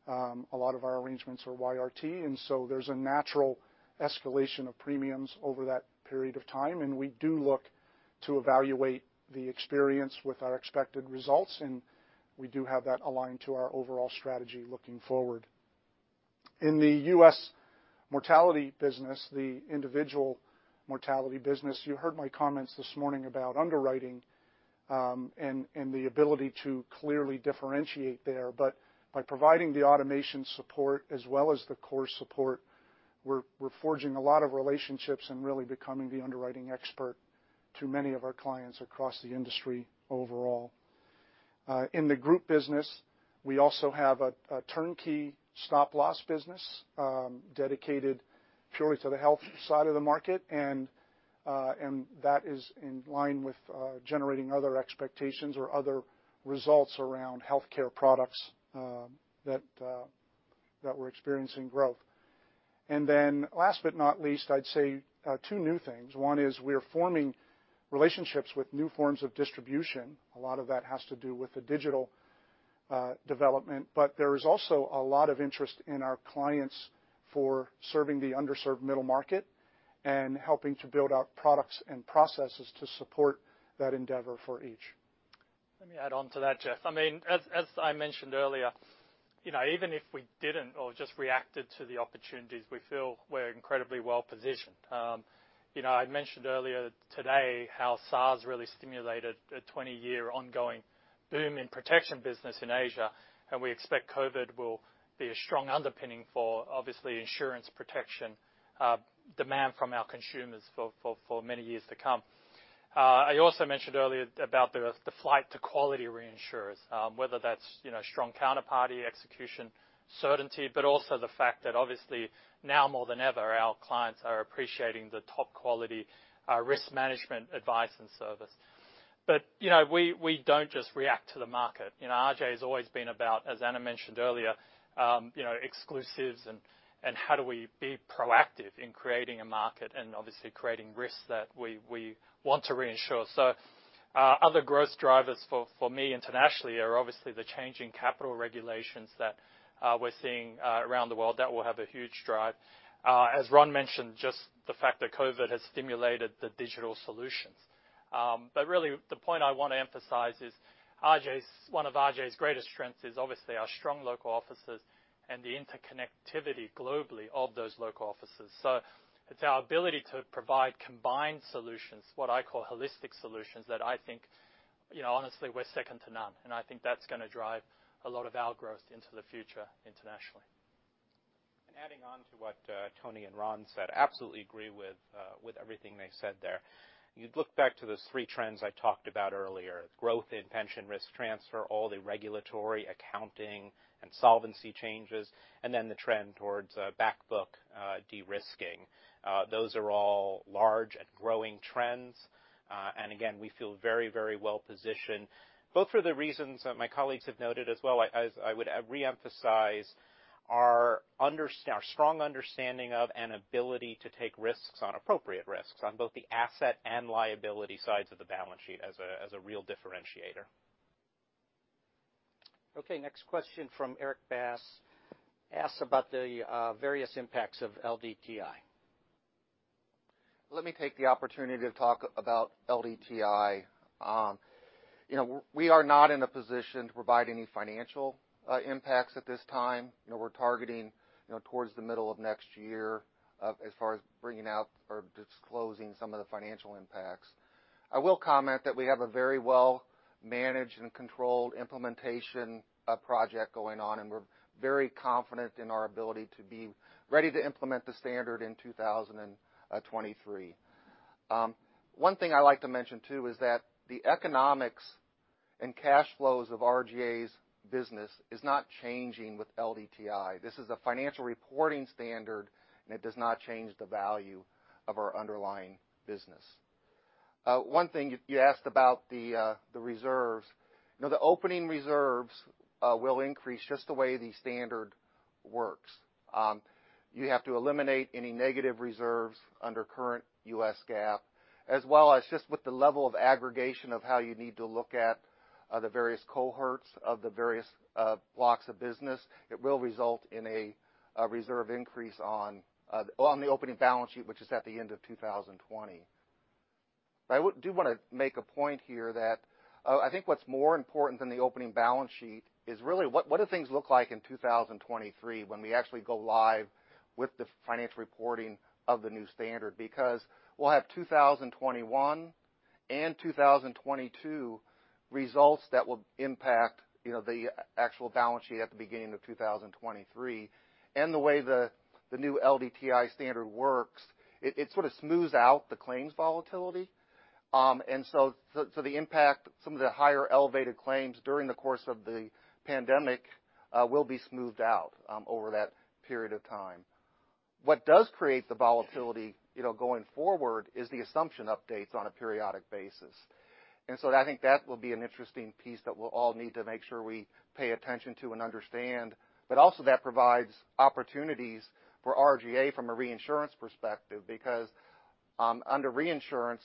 A lot of our arrangements are YRT, and there's a natural escalation of premiums over that period of time, and we do look to evaluate the experience with our expected results, and we do have that aligned to our overall strategy looking forward. In the U.S. mortality business, the individual mortality business, you heard my comments this morning about underwriting and the ability to clearly differentiate there. By providing the automation support as well as the core support, we're forging a lot of relationships and really becoming the underwriting expert to many of our clients across the industry overall. In the group business, we also have a turnkey stop-loss business, dedicated purely to the health side of the market, and that is in line with generating other expectations or other results around healthcare products, that we're experiencing growth. Then last but not least, I'd say, two new things. One is we're forming relationships with new forms of distribution. A lot of that has to do with the digital development, but there is also a lot of interest in our clients for serving the underserved middle market and helping to build out products and processes to support that endeavor for each. Let me add on to that, Jeff. I mean, as I mentioned earlier, you know, even if we didn't or just reacted to the opportunities, we feel we're incredibly well-positioned. You know, I'd mentioned earlier today how SARS really stimulated a 20-year ongoing boom in protection business in Asia, and we expect COVID will be a strong underpinning for, obviously, insurance protection demand from our consumers for many years to come. I also mentioned earlier about the flight to quality reinsurers, whether that's, you know, strong counterparty execution certainty, but also the fact that obviously, now more than ever, our clients are appreciating the top quality risk management advice and service. You know, we don't just react to the market. You know, RGA's always been about, as Anna mentioned earlier, you know, exclusives and how do we be proactive in creating a market and obviously creating risks that we want to reinsure. Other growth drivers for me internationally are obviously the changing capital regulations that we're seeing around the world. That will have a huge drive. As Ron mentioned, just the fact that COVID has stimulated the digital solutions. Really the point I want to emphasize is one of RGA's greatest strengths is obviously our strong local offices and the interconnectivity globally of those local offices. It's our ability to provide combined solutions, what I call holistic solutions, that I think, you know, honestly, we're second to none, and I think that's gonna drive a lot of our growth into the future internationally. Adding on to what Tony and Ron said, absolutely agree with everything they said there. You'd look back to those three trends I talked about earlier, growth in pension risk transfer, all the regulatory accounting and solvency changes, and then the trend towards back book de-risking. Those are all large and growing trends. And again, we feel very, very well-positioned both for the reasons that my colleagues have noted as well. I would reemphasize our strong understanding of and ability to take risks on appropriate risks on both the asset and liability sides of the balance sheet as a real differentiator. Okay, next question from Erik Bass asks about the various impacts of LDTI. Let me take the opportunity to talk about LDTI. You know, we are not in a position to provide any financial impacts at this time. You know, we're targeting you know, towards the middle of next year as far as bringing out or disclosing some of the financial impacts. I will comment that we have a very well managed and controlled implementation project going on, and we're very confident in our ability to be ready to implement the standard in 2023. One thing I like to mention too is that the economics and cash flows of RGA's business is not changing with LDTI. This is a financial reporting standard, and it does not change the value of our underlying business. One thing you asked about the reserves. You know, the opening reserves will increase just the way the standard works. You have to eliminate any negative reserves under current U.S. GAAP, as well as just with the level of aggregation of how you need to look at the various cohorts of the various blocks of business. It will result in a reserve increase on the opening balance sheet, which is at the end of 2020. I do wanna make a point here that I think what's more important than the opening balance sheet is really what do things look like in 2023 when we actually go live with the financial reporting of the new standard? We'll have 2021 and 2022 results that will impact, you know, the actual balance sheet at the beginning of 2023. The way the new LDTI standard works, it sort of smooths out the claims volatility. So the impact, some of the higher elevated claims during the course of the pandemic, will be smoothed out over that period of time. What does create the volatility, you know, going forward is the assumption updates on a periodic basis. I think that will be an interesting piece that we'll all need to make sure we pay attention to and understand. But also that provides opportunities for RGA from a reinsurance perspective because under reinsurance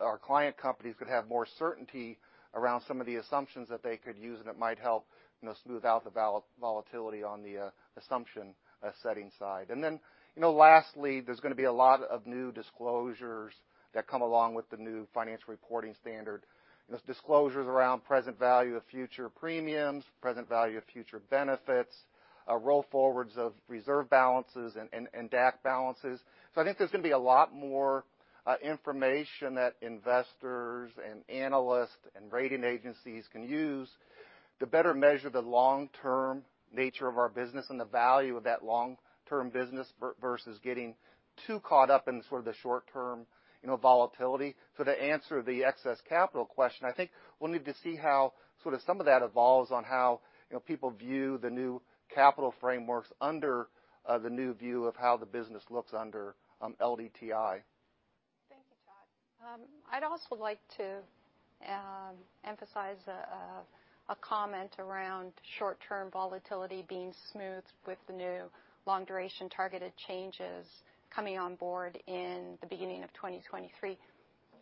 our client companies could have more certainty around some of the assumptions that they could use, and it might help, you know, smooth out the volatility on the assumption setting side. Then, you know, lastly, there's going to be a lot of new disclosures that come along with the new financial reporting standard. You know, disclosures around present value of future premiums, present value of future benefits, roll forwards of reserve balances and DAC balances. I think there's going to be a lot more information that investors and analysts and rating agencies can use to better measure the long-term nature of our business and the value of that long-term business versus getting too caught up in sort of the short term, you know, volatility. To answer the excess capital question, I think we'll need to see how sort of some of that evolves on how, you know, people view the new capital frameworks under the new view of how the business looks under LDTI. Thank you, Todd. I'd also like to emphasize a comment around short-term volatility being smoothed with the new Long Duration Targeted Improvements coming on board in the beginning of 2023.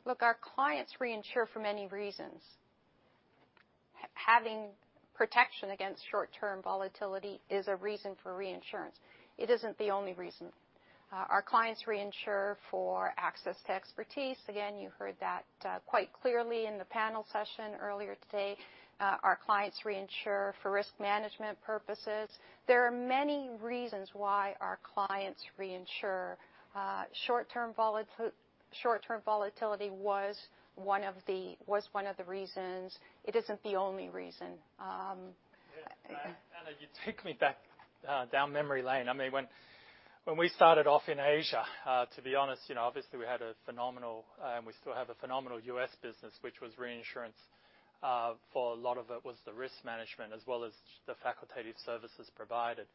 Look, our clients reinsure for many reasons. Having protection against short-term volatility is a reason for reinsurance. It isn't the only reason. Our clients reinsure for access to expertise. Again, you heard that quite clearly in the panel session earlier today. Our clients reinsure for risk management purposes. There are many reasons why our clients reinsure. Short-term volatility was one of the reasons. It isn't the only reason. Yeah. Anna, you take me back down memory lane. I mean, when we started off in Asia, to be honest, you know, obviously we had a phenomenal, and we still have a phenomenal U.S. business, which was reinsurance. For a lot of it was the risk management as well as the facultative services provided.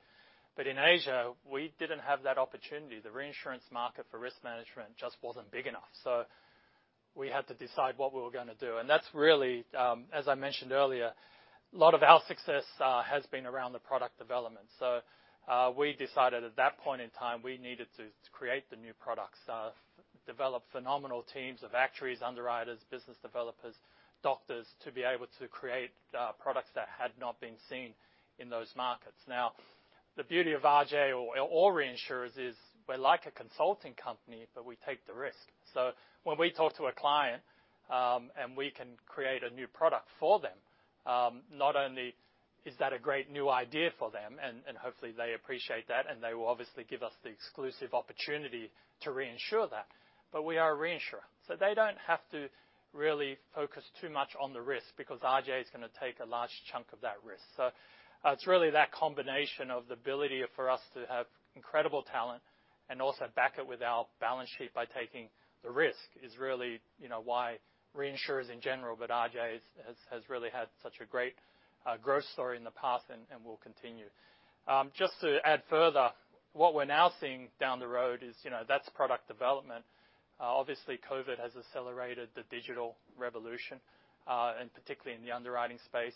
In Asia, we didn't have that opportunity. The reinsurance market for risk management just wasn't big enough. We had to decide what we were going to do. That's really, as I mentioned earlier, a lot of our success has been around the product development. We decided at that point in time, we needed to create the new products, develop phenomenal teams of actuaries, underwriters, business developers, doctors, to be able to create, products that had not been seen in those markets. Now, the beauty of RGA or reinsurers is we're like a consulting company, but we take the risk. When we talk to a client, and we can create a new product for them, not only is that a great new idea for them, and hopefully they appreciate that, and they will obviously give us the exclusive opportunity to reinsure that, but we are a reinsurer. They don't have to really focus too much on the risk because RGA is going to take a large chunk of that risk. It's really that combination of the ability for us to have incredible talent and also back it with our balance sheet by taking the risk is really, you know, why reinsurers in general, but RGA has really had such a great growth story in the past and will continue. Just to add further, what we're now seeing down the road is, you know, that's product development. Obviously, COVID has accelerated the digital revolution, and particularly in the underwriting space.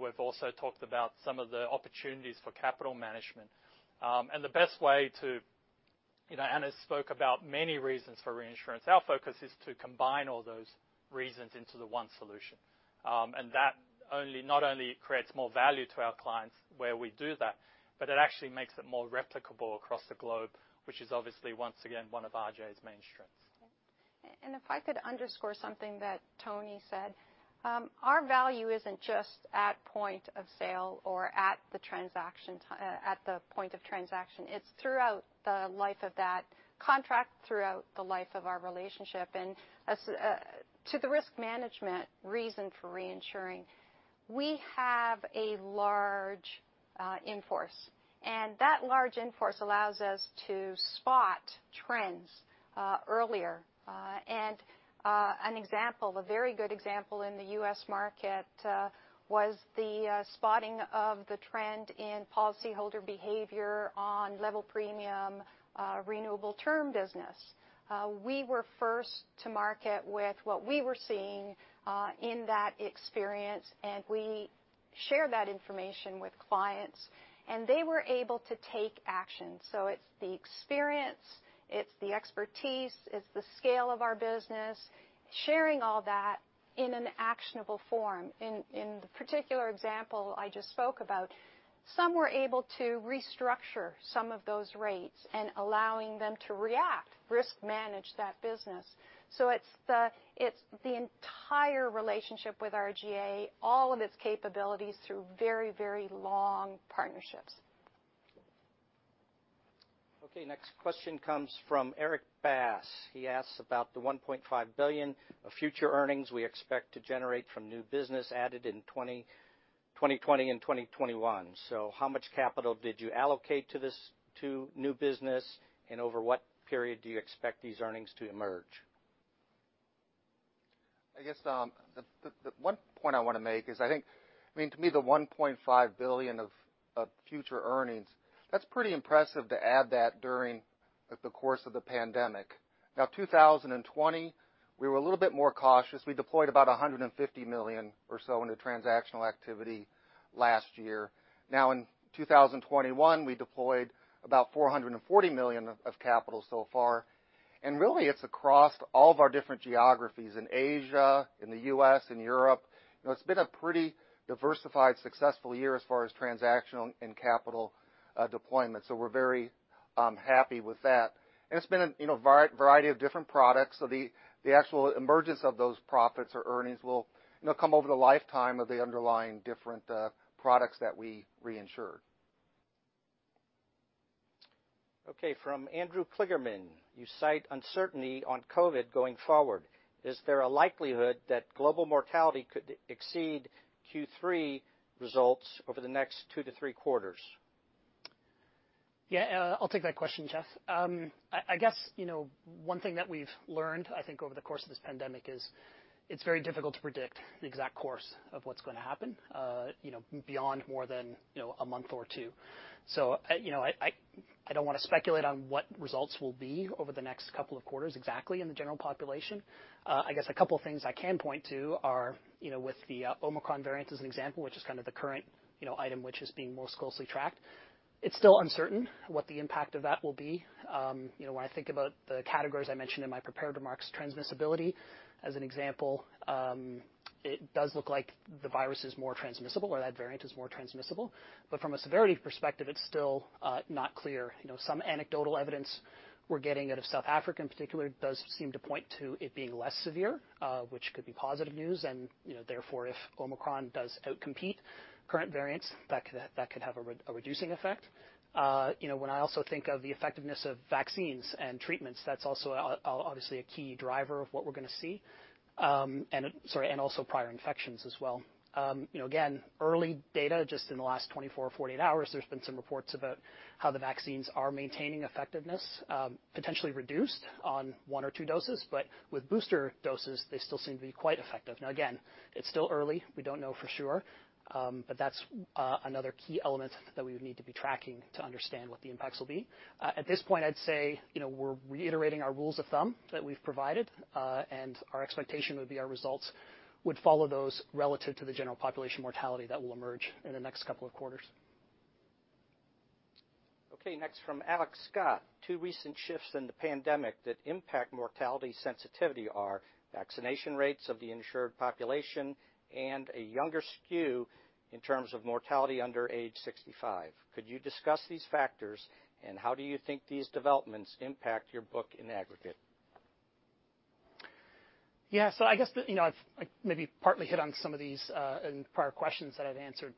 We've also talked about some of the opportunities for capital management. The best way. You know, Anna spoke about many reasons for reinsurance. Our focus is to combine all those reasons into the one solution. That not only creates more value to our clients where we do that, but it actually makes it more replicable across the globe, which is obviously, once again, one of RGA's main strengths. If I could underscore something that Tony said, our value isn't just at point of sale or at the point of transaction. It's throughout the life of that contract, throughout the life of our relationship. As to the risk management reason for reinsuring, we have a large inforce, and that large inforce allows us to spot trends earlier. An example, a very good example in the U.S. market, was the spotting of the trend in policyholder behavior on level premium renewable term business. We were first to market with what we were seeing in that experience, and we shared that information with clients, and they were able to take action. It's the experience, it's the expertise, it's the scale of our business, sharing all that in an actionable form. In the particular example I just spoke about, some were able to restructure some of those rates and allowing them to react, risk manage that business. It's the entire relationship with RGA, all of its capabilities through very, very long partnerships. Okay, next question comes from Erik Bass. He asks about the $1.5 billion of future earnings we expect to generate from new business added in twenty 2020 and 2021. How much capital did you allocate to new business, and over what period do you expect these earnings to emerge? I guess the one point I wanna make is I mean, to me, the $1.5 billion of future earnings, that's pretty impressive to add that during the course of the pandemic. 2020, we were a little bit more cautious. We deployed about $150 million or so into transactional activity last year. In 2021, we deployed about $440 million of capital so far. Really, it's across all of our different geographies, in Asia, in the U.S., in Europe. You know, it's been a pretty diversified, successful year as far as transactional and capital deployment. We're very happy with that. It's been, you know, variety of different products. The actual emergence of those profits or earnings will, you know, come over the lifetime of the underlying different products that we reinsured. Okay, from Andrew Kligerman. You cite uncertainty on COVID going forward. Is there a likelihood that global mortality could exceed Q3 results over the next two to three quarters? Yeah, I'll take that question, Jeff. I guess, you know, one thing that we've learned, I think, over the course of this pandemic is it's very difficult to predict the exact course of what's gonna happen, you know, beyond more than, you know, a month or two. So, you know, I don't wanna speculate on what results will be over the next couple of quarters exactly in the general population. I guess a couple things I can point to are, you know, with the Omicron variant as an example, which is kind of the current, you know, item which is being most closely tracked, it's still uncertain what the impact of that will be. You know, when I think about the categories I mentioned in my prepared remarks, transmissibility as an example, it does look like the virus is more transmissible or that variant is more transmissible. But from a severity perspective, it's still not clear. You know, some anecdotal evidence we're getting out of South Africa in particular does seem to point to it being less severe, which could be positive news. You know, therefore, if Omicron does outcompete current variants, that could have a reducing effect. You know, when I also think of the effectiveness of vaccines and treatments, that's also obviously a key driver of what we're gonna see, and also prior infections as well. You know, again, early data, just in the last 24, 48 hours, there's been some reports about how the vaccines are maintaining effectiveness, potentially reduced on one or two doses. But with booster doses, they still seem to be quite effective. Now again, it's still early. We don't know for sure. But that's another key element that we would need to be tracking to understand what the impacts will be. At this point, I'd say, you know, we're reiterating our rules of thumb that we've provided. Our expectation would be our results would follow those relative to the general population mortality that will emerge in the next couple of quarters. Okay, next from Alex Scott. Two recent shifts in the pandemic that impact mortality sensitivity are vaccination rates of the insured population and a younger skew in terms of mortality under age 65. Could you discuss these factors, and how do you think these developments impact your book in aggregate? I guess, you know, I've like maybe partly hit on some of these in prior questions that I've answered.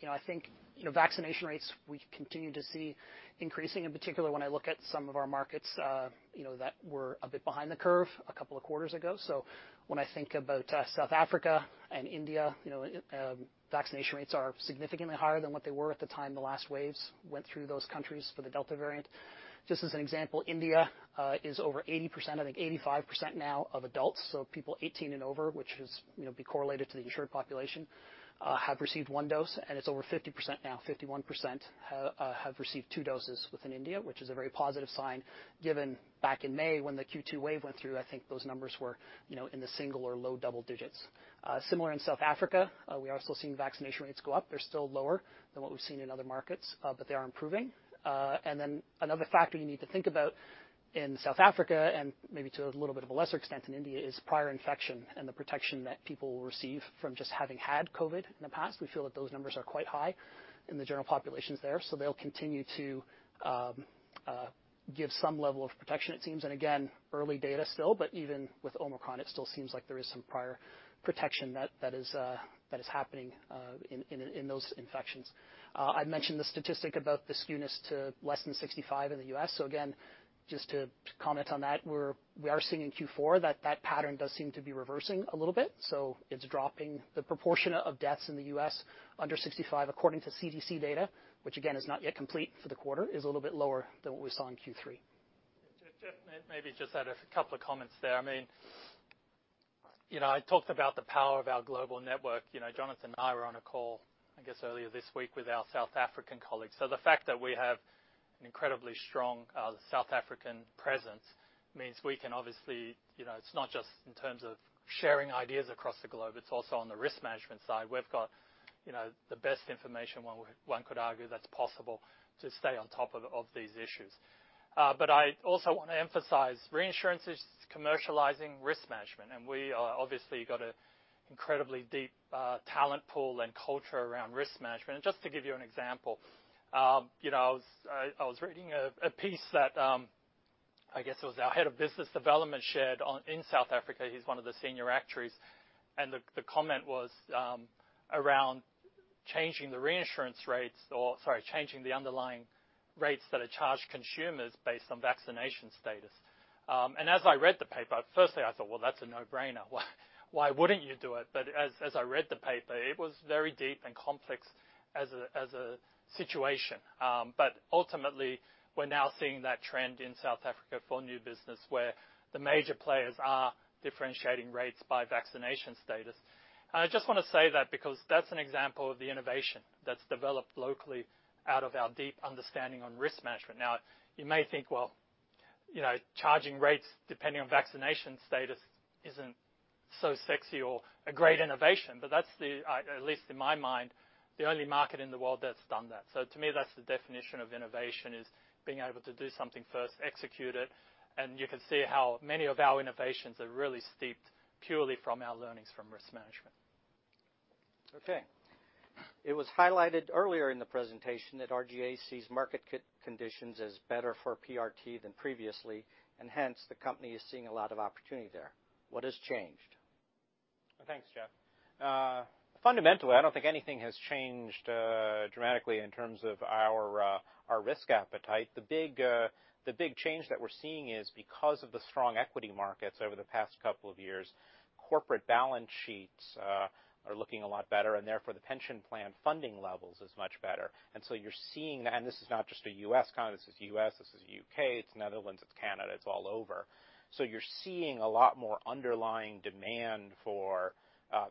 You know, I think, you know, vaccination rates we continue to see increasing, in particular when I look at some of our markets, you know, that were a bit behind the curve a couple of quarters ago. When I think about South Africa and India, you know, vaccination rates are significantly higher than what they were at the time the last waves went through those countries for the Delta variant. Just as an example, India is over 80%, I think 85% now of adults, so people 18 and over, which is, you know, correlated to the insured population, have received one dose, and it's over 50% now. 51% have received two doses within India, which is a very positive sign given back in May when the Q2 wave went through. I think those numbers were, you know, in the single or low double digits. Similar in South Africa, we are also seeing vaccination rates go up. They're still lower than what we've seen in other markets, but they are improving. Another factor you need to think about in South Africa, and maybe to a little bit of a lesser extent in India, is prior infection and the protection that people will receive from just having had COVID in the past. We feel that those numbers are quite high in the general populations there. They'll continue to give some level of protection it seems. Again, early data still, but even with Omicron, it still seems like there is some prior protection that is happening in those infections. I'd mentioned the statistic about the skewness to less than 65 in the U.S. Again, just to comment on that, we are seeing in Q4 that pattern does seem to be reversing a little bit. It's dropping the proportion of deaths in the U.S. under 65 according to CDC data, which again is not yet complete for the quarter, is a little bit lower than what we saw in Q3. Jeff, maybe just add a couple of comments there. I mean, you know, I talked about the power of our global network. You know, Jonathan and I were on a call, I guess, earlier this week with our South African colleagues. The fact that we have an incredibly strong South African presence means we can obviously, you know, it's not just in terms of sharing ideas across the globe, it's also on the risk management side. We've got, you know, the best information one could argue that's possible to stay on top of these issues. But I also want to emphasize reinsurance is commercializing risk management, and we are obviously got a incredibly deep talent pool and culture around risk management. Just to give you an example, you know, I was reading a piece that I guess it was our head of business development shared online in South Africa. He's one of the senior actuaries. The comment was around Changing the underlying rates that are charged to consumers based on vaccination status. As I read the paper, firstly, I thought, well, that's a no-brainer. Why wouldn't you do it? As I read the paper, it was very deep and complex as a situation. Ultimately, we're now seeing that trend in South Africa for new business where the major players are differentiating rates by vaccination status. I just want to say that because that's an example of the innovation that's developed locally out of our deep understanding on risk management. Now you may think, well, you know, charging rates depending on vaccination status isn't so sexy or a great innovation. That's at least in my mind, the only market in the world that's done that. To me, that's the definition of innovation is being able to do something first, execute it, and you can see how many of our innovations are really steeped purely from our learnings from risk management. Okay. It was highlighted earlier in the presentation that RGA sees market conditions as better for PRT than previously, and hence the company is seeing a lot of opportunity there. What has changed? Thanks, Jeff. Fundamentally, I don't think anything has changed dramatically in terms of our risk appetite. The big change that we're seeing is because of the strong equity markets over the past couple of years, corporate balance sheets are looking a lot better, and therefore, the pension plan funding levels is much better. You're seeing that, and this is not just a U.S. phenomenon. This is U.S., this is U.K., it's Netherlands, it's Canada, it's all over. You're seeing a lot more underlying demand for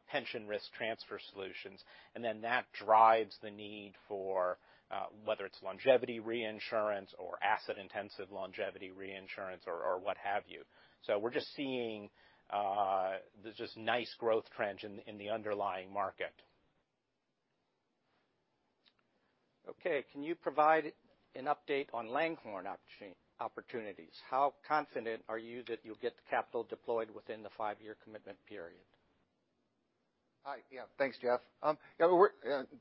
pension risk transfer solutions. That drives the need for whether it's longevity reinsurance or asset-intensive longevity reinsurance or what have you. We're just seeing this just nice growth trend in the underlying market. Okay. Can you provide an update on Langhorne Re opportunities? How confident are you that you'll get the capital deployed within the five-year commitment period? Hi. Yeah. Thanks, Jeff. Yeah, we're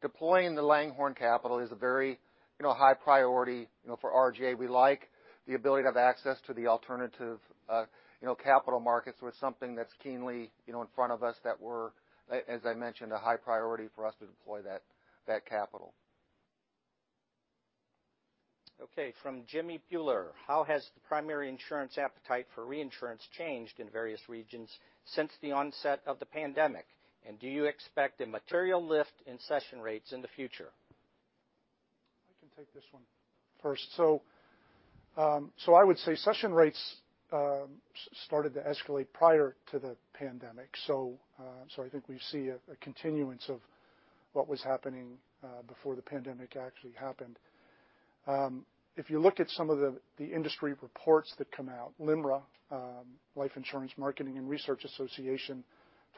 deploying the Langhorne capital is a very, you know, high priority, you know, for RGA. We like the ability to have access to the alternative, you know, capital markets where something that's keenly, you know, in front of us that we're, as I mentioned, a high priority for us to deploy that capital. Okay. From Jimmy Bhullar, how has the primary insurance appetite for reinsurance changed in various regions since the onset of the pandemic? And do you expect a material lift in cession rates in the future? I can take this one first. I would say session rates started to escalate prior to the pandemic. I think we see a continuance of what was happening before the pandemic actually happened. If you look at some of the industry reports that come out, LIMRA, Life Insurance Marketing and Research Association,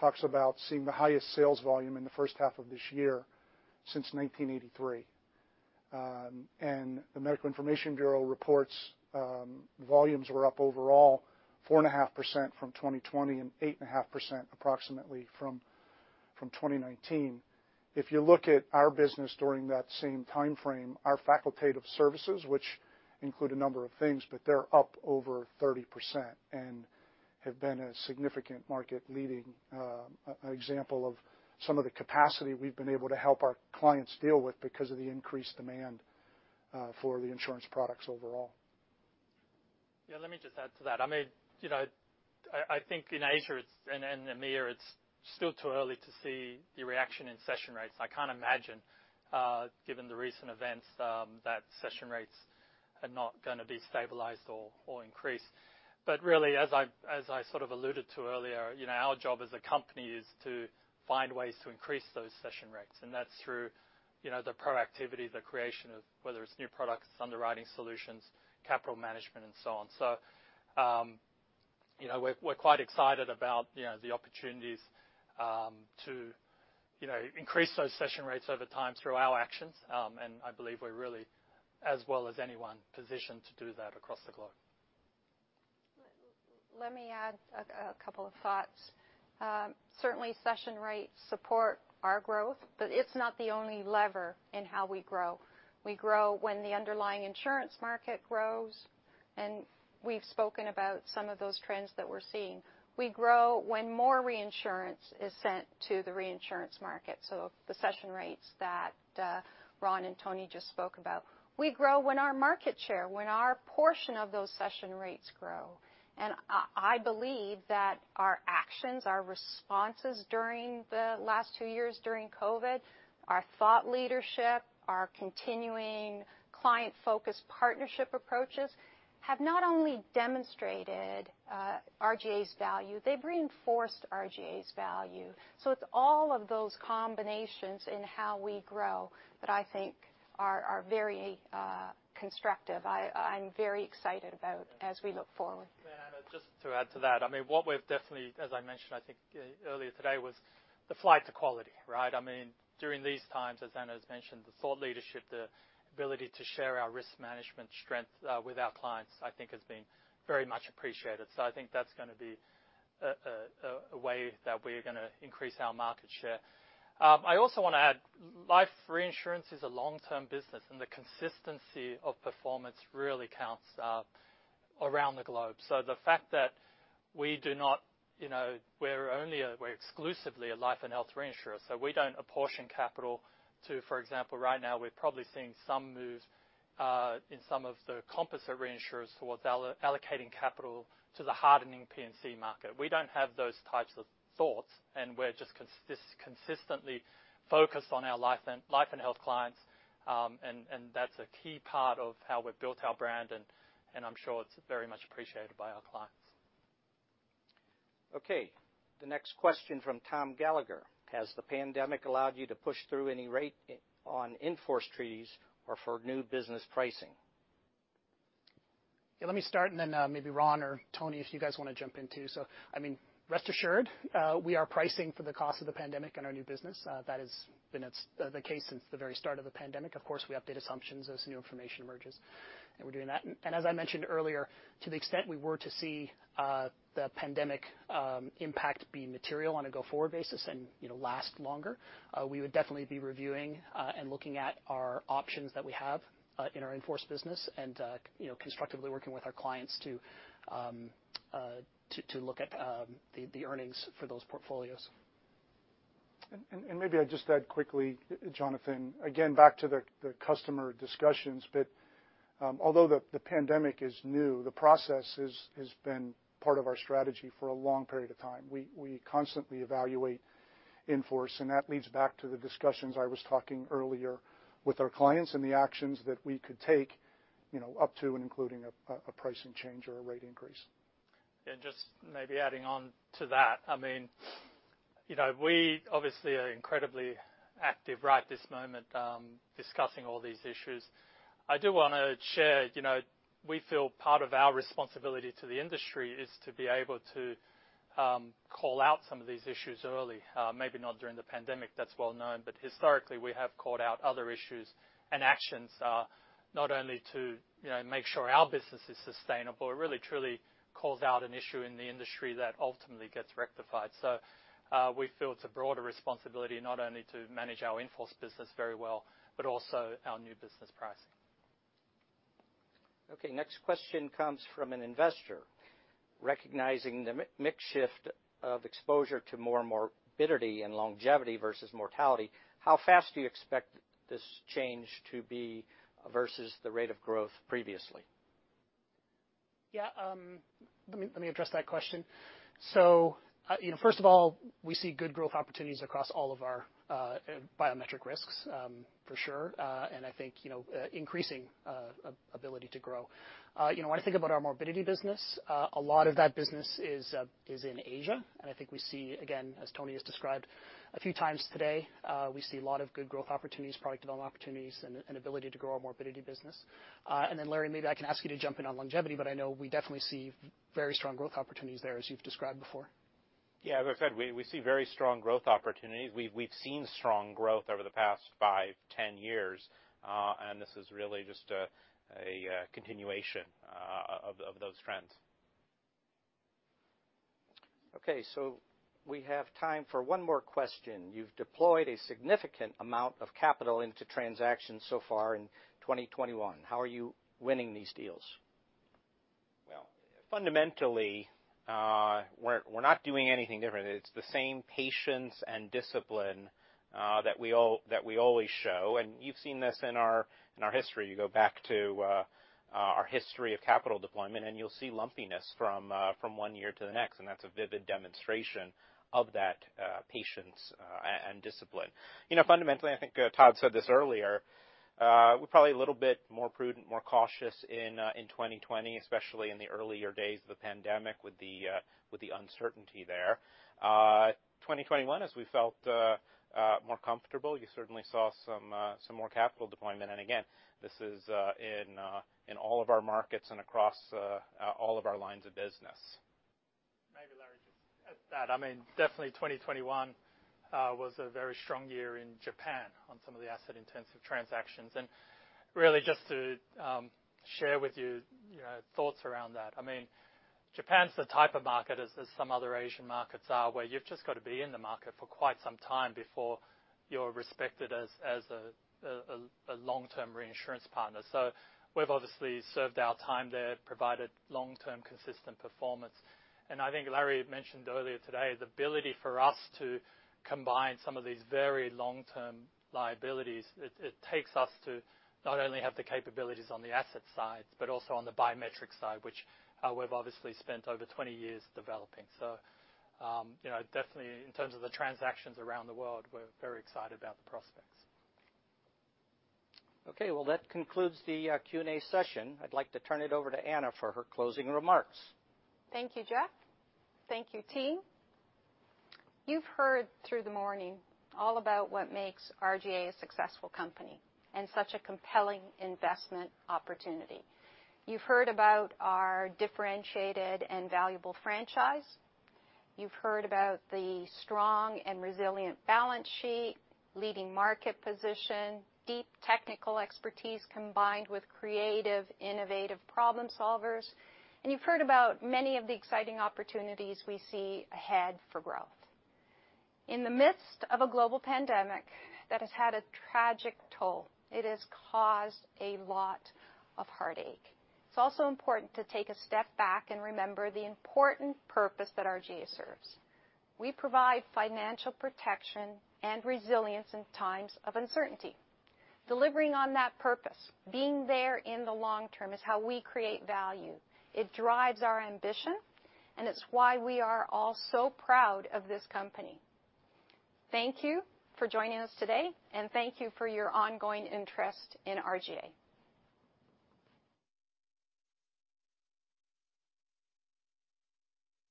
talks about seeing the highest sales volume in the first half of this year since 1983. The Medical Information Bureau reports volumes were up overall 4.5% from 2020 and 8.5% approximately from 2019. If you look at our business during that same time frame, our facultative services, which include a number of things, but they're up over 30% and have been a significant market leading example of some of the capacity we've been able to help our clients deal with because of the increased demand for the insurance products overall. Yeah, let me just add to that. I mean, you know, I think in Asia, and in the EMEA, it's still too early to see the reaction in cession rates. I can't imagine, given the recent events, that cession rates are not gonna be stabilized or increased. But really, as I sort of alluded to earlier, you know, our job as a company is to find ways to increase those cession rates, and that's through, you know, the productivity, the creation of whether it's new products, underwriting solutions, capital management, and so on. So, you know, we're quite excited about, you know, the opportunities, to, you know, increase those cession rates over time through our actions. I believe we're really, as well as anyone, positioned to do that across the globe. Let me add a couple of thoughts. Certainly, cession rates support our growth, but it's not the only lever in how we grow. We grow when the underlying insurance market grows, and we've spoken about some of those trends that we're seeing. We grow when more reinsurance is sent to the reinsurance market, so the cession rates that Ron and Tony just spoke about. We grow when our market share, when our portion of those cession rates grow. I believe that our actions, our responses during the last two years during COVID, our thought leadership, our continuing client-focused partnership approaches have not only demonstrated RGA's value, they've reinforced RGA's value. It's all of those combinations in how we grow that I think are very constructive. I'm very excited about as we look forward. Yeah, Anna, just to add to that. I mean, what we've definitely, as I mentioned, I think earlier today was the flight to quality, right? I mean, during these times, as Anna's mentioned, the thought leadership, the ability to share our risk management strength with our clients, I think has been very much appreciated. So I think that's gonna be a way that we're gonna increase our market share. I also want to add life reinsurance is a long-term business, and the consistency of performance really counts around the globe. So the fact that we do not, you know we're exclusively a life and health reinsurer, so we don't apportion capital to, for example, right now, we're probably seeing some move in some of the composite reinsurers towards allocating capital to the hardening P&C market. We don't have those types of thoughts, and we're just consistently focused on our life and health clients, and that's a key part of how we've built our brand, and I'm sure it's very much appreciated by our clients. Okay, the next question from Thomas Gallagher. Has the pandemic allowed you to push through any rate on in-force treaties or for new business pricing? Yeah, let me start, and then maybe Ron or Tony, if you guys wanna jump in too. I mean, rest assured, we are pricing for the cost of the pandemic in our new business. That has been the case since the very start of the pandemic. Of course, we update assumptions as new information emerges, and we're doing that. As I mentioned earlier, to the extent we were to see the pandemic impact be material on a go-forward basis and, you know, last longer, we would definitely be reviewing and looking at our options that we have in our in-force business and, you know, constructively working with our clients to look at the earnings for those portfolios. Maybe I just add quickly, Jonathan, again, back to the customer discussions. Although the pandemic is new, the process has been part of our strategy for a long period of time. We constantly evaluate in force, and that leads back to the discussions I was talking earlier with our clients and the actions that we could take, you know, up to and including a pricing change or a rate increase. Yeah, just maybe adding on to that, I mean, you know, we obviously are incredibly active right this moment, discussing all these issues. I do wanna share, you know, we feel part of our responsibility to the industry is to be able to call out some of these issues early, maybe not during the pandemic, that's well-known, but historically we have called out other issues and actions, not only to, you know, make sure our business is sustainable, it really truly calls out an issue in the industry that ultimately gets rectified. We feel it's a broader responsibility not only to manage our in-force business very well but also our new business pricing. Okay, next question comes from an investor. Recognizing the business mix shift of exposure to more morbidity and longevity versus mortality, how fast do you expect this change to be versus the rate of growth previously? Yeah, let me address that question. You know, first of all, we see good growth opportunities across all of our biometric risks, for sure. I think you know increasing ability to grow. You know, when I think about our morbidity business, a lot of that business is in Asia. I think we see, again, as Tony has described a few times today, we see a lot of good growth opportunities, product development opportunities, and ability to grow our morbidity business. Then, Larry, maybe I can ask you to jump in on longevity, but I know we definitely see very strong growth opportunities there as you've described before. Yeah, as I said, we see very strong growth opportunities. We've seen strong growth over the past 5-10 years, and this is really just a continuation of those trends. Okay, we have time for one more question. You've deployed a significant amount of capital into transactions so far in 2021. How are you winning these deals? Well, fundamentally, we're not doing anything different. It's the same patience and discipline that we always show. You've seen this in our history. You go back to our history of capital deployment, and you'll see lumpiness from one year to the next, and that's a vivid demonstration of that patience and discipline. You know, fundamentally, I think, Todd said this earlier, we're probably a little bit more prudent, more cautious in 2020, especially in the earlier days of the pandemic with the uncertainty there. 2021, as we felt more comfortable, you certainly saw some more capital deployment. Again, this is in all of our markets and across all of our lines of business. Maybe, Larry, just add to that. I mean, definitely 2021 was a very strong year in Japan on some of the asset intensive transactions. Really just to share with you know, thoughts around that. I mean, Japan's the type of market as some other Asian markets are, where you've just got to be in the market for quite some time before you're respected as a long-term reinsurance partner. So we've obviously served our time there, provided long-term consistent performance. I think Larry mentioned earlier today, the ability for us to combine some of these very long-term liabilities. It takes us to not only have the capabilities on the asset side, but also on the biometric side, which we've obviously spent over 20 years developing. you know, definitely in terms of the transactions around the world, we're very excited about the prospects. Okay, well, that concludes the Q&A session. I'd like to turn it over to Anna for her closing remarks. Thank you, Jeff. Thank you, team. You've heard through the morning all about what makes RGA a successful company and such a compelling investment opportunity. You've heard about our differentiated and valuable franchise. You've heard about the strong and resilient balance sheet, leading market position, deep technical expertise combined with creative, innovative problem solvers. You've heard about many of the exciting opportunities we see ahead for growth. In the midst of a global pandemic that has had a tragic toll, it has caused a lot of heartache. It's also important to take a step back and remember the important purpose that RGA serves. We provide financial protection and resilience in times of uncertainty. Delivering on that purpose, being there in the long term is how we create value. It drives our ambition, and it's why we are all so proud of this company. Thank you for joining us today, and thank you for your ongoing interest in RGA.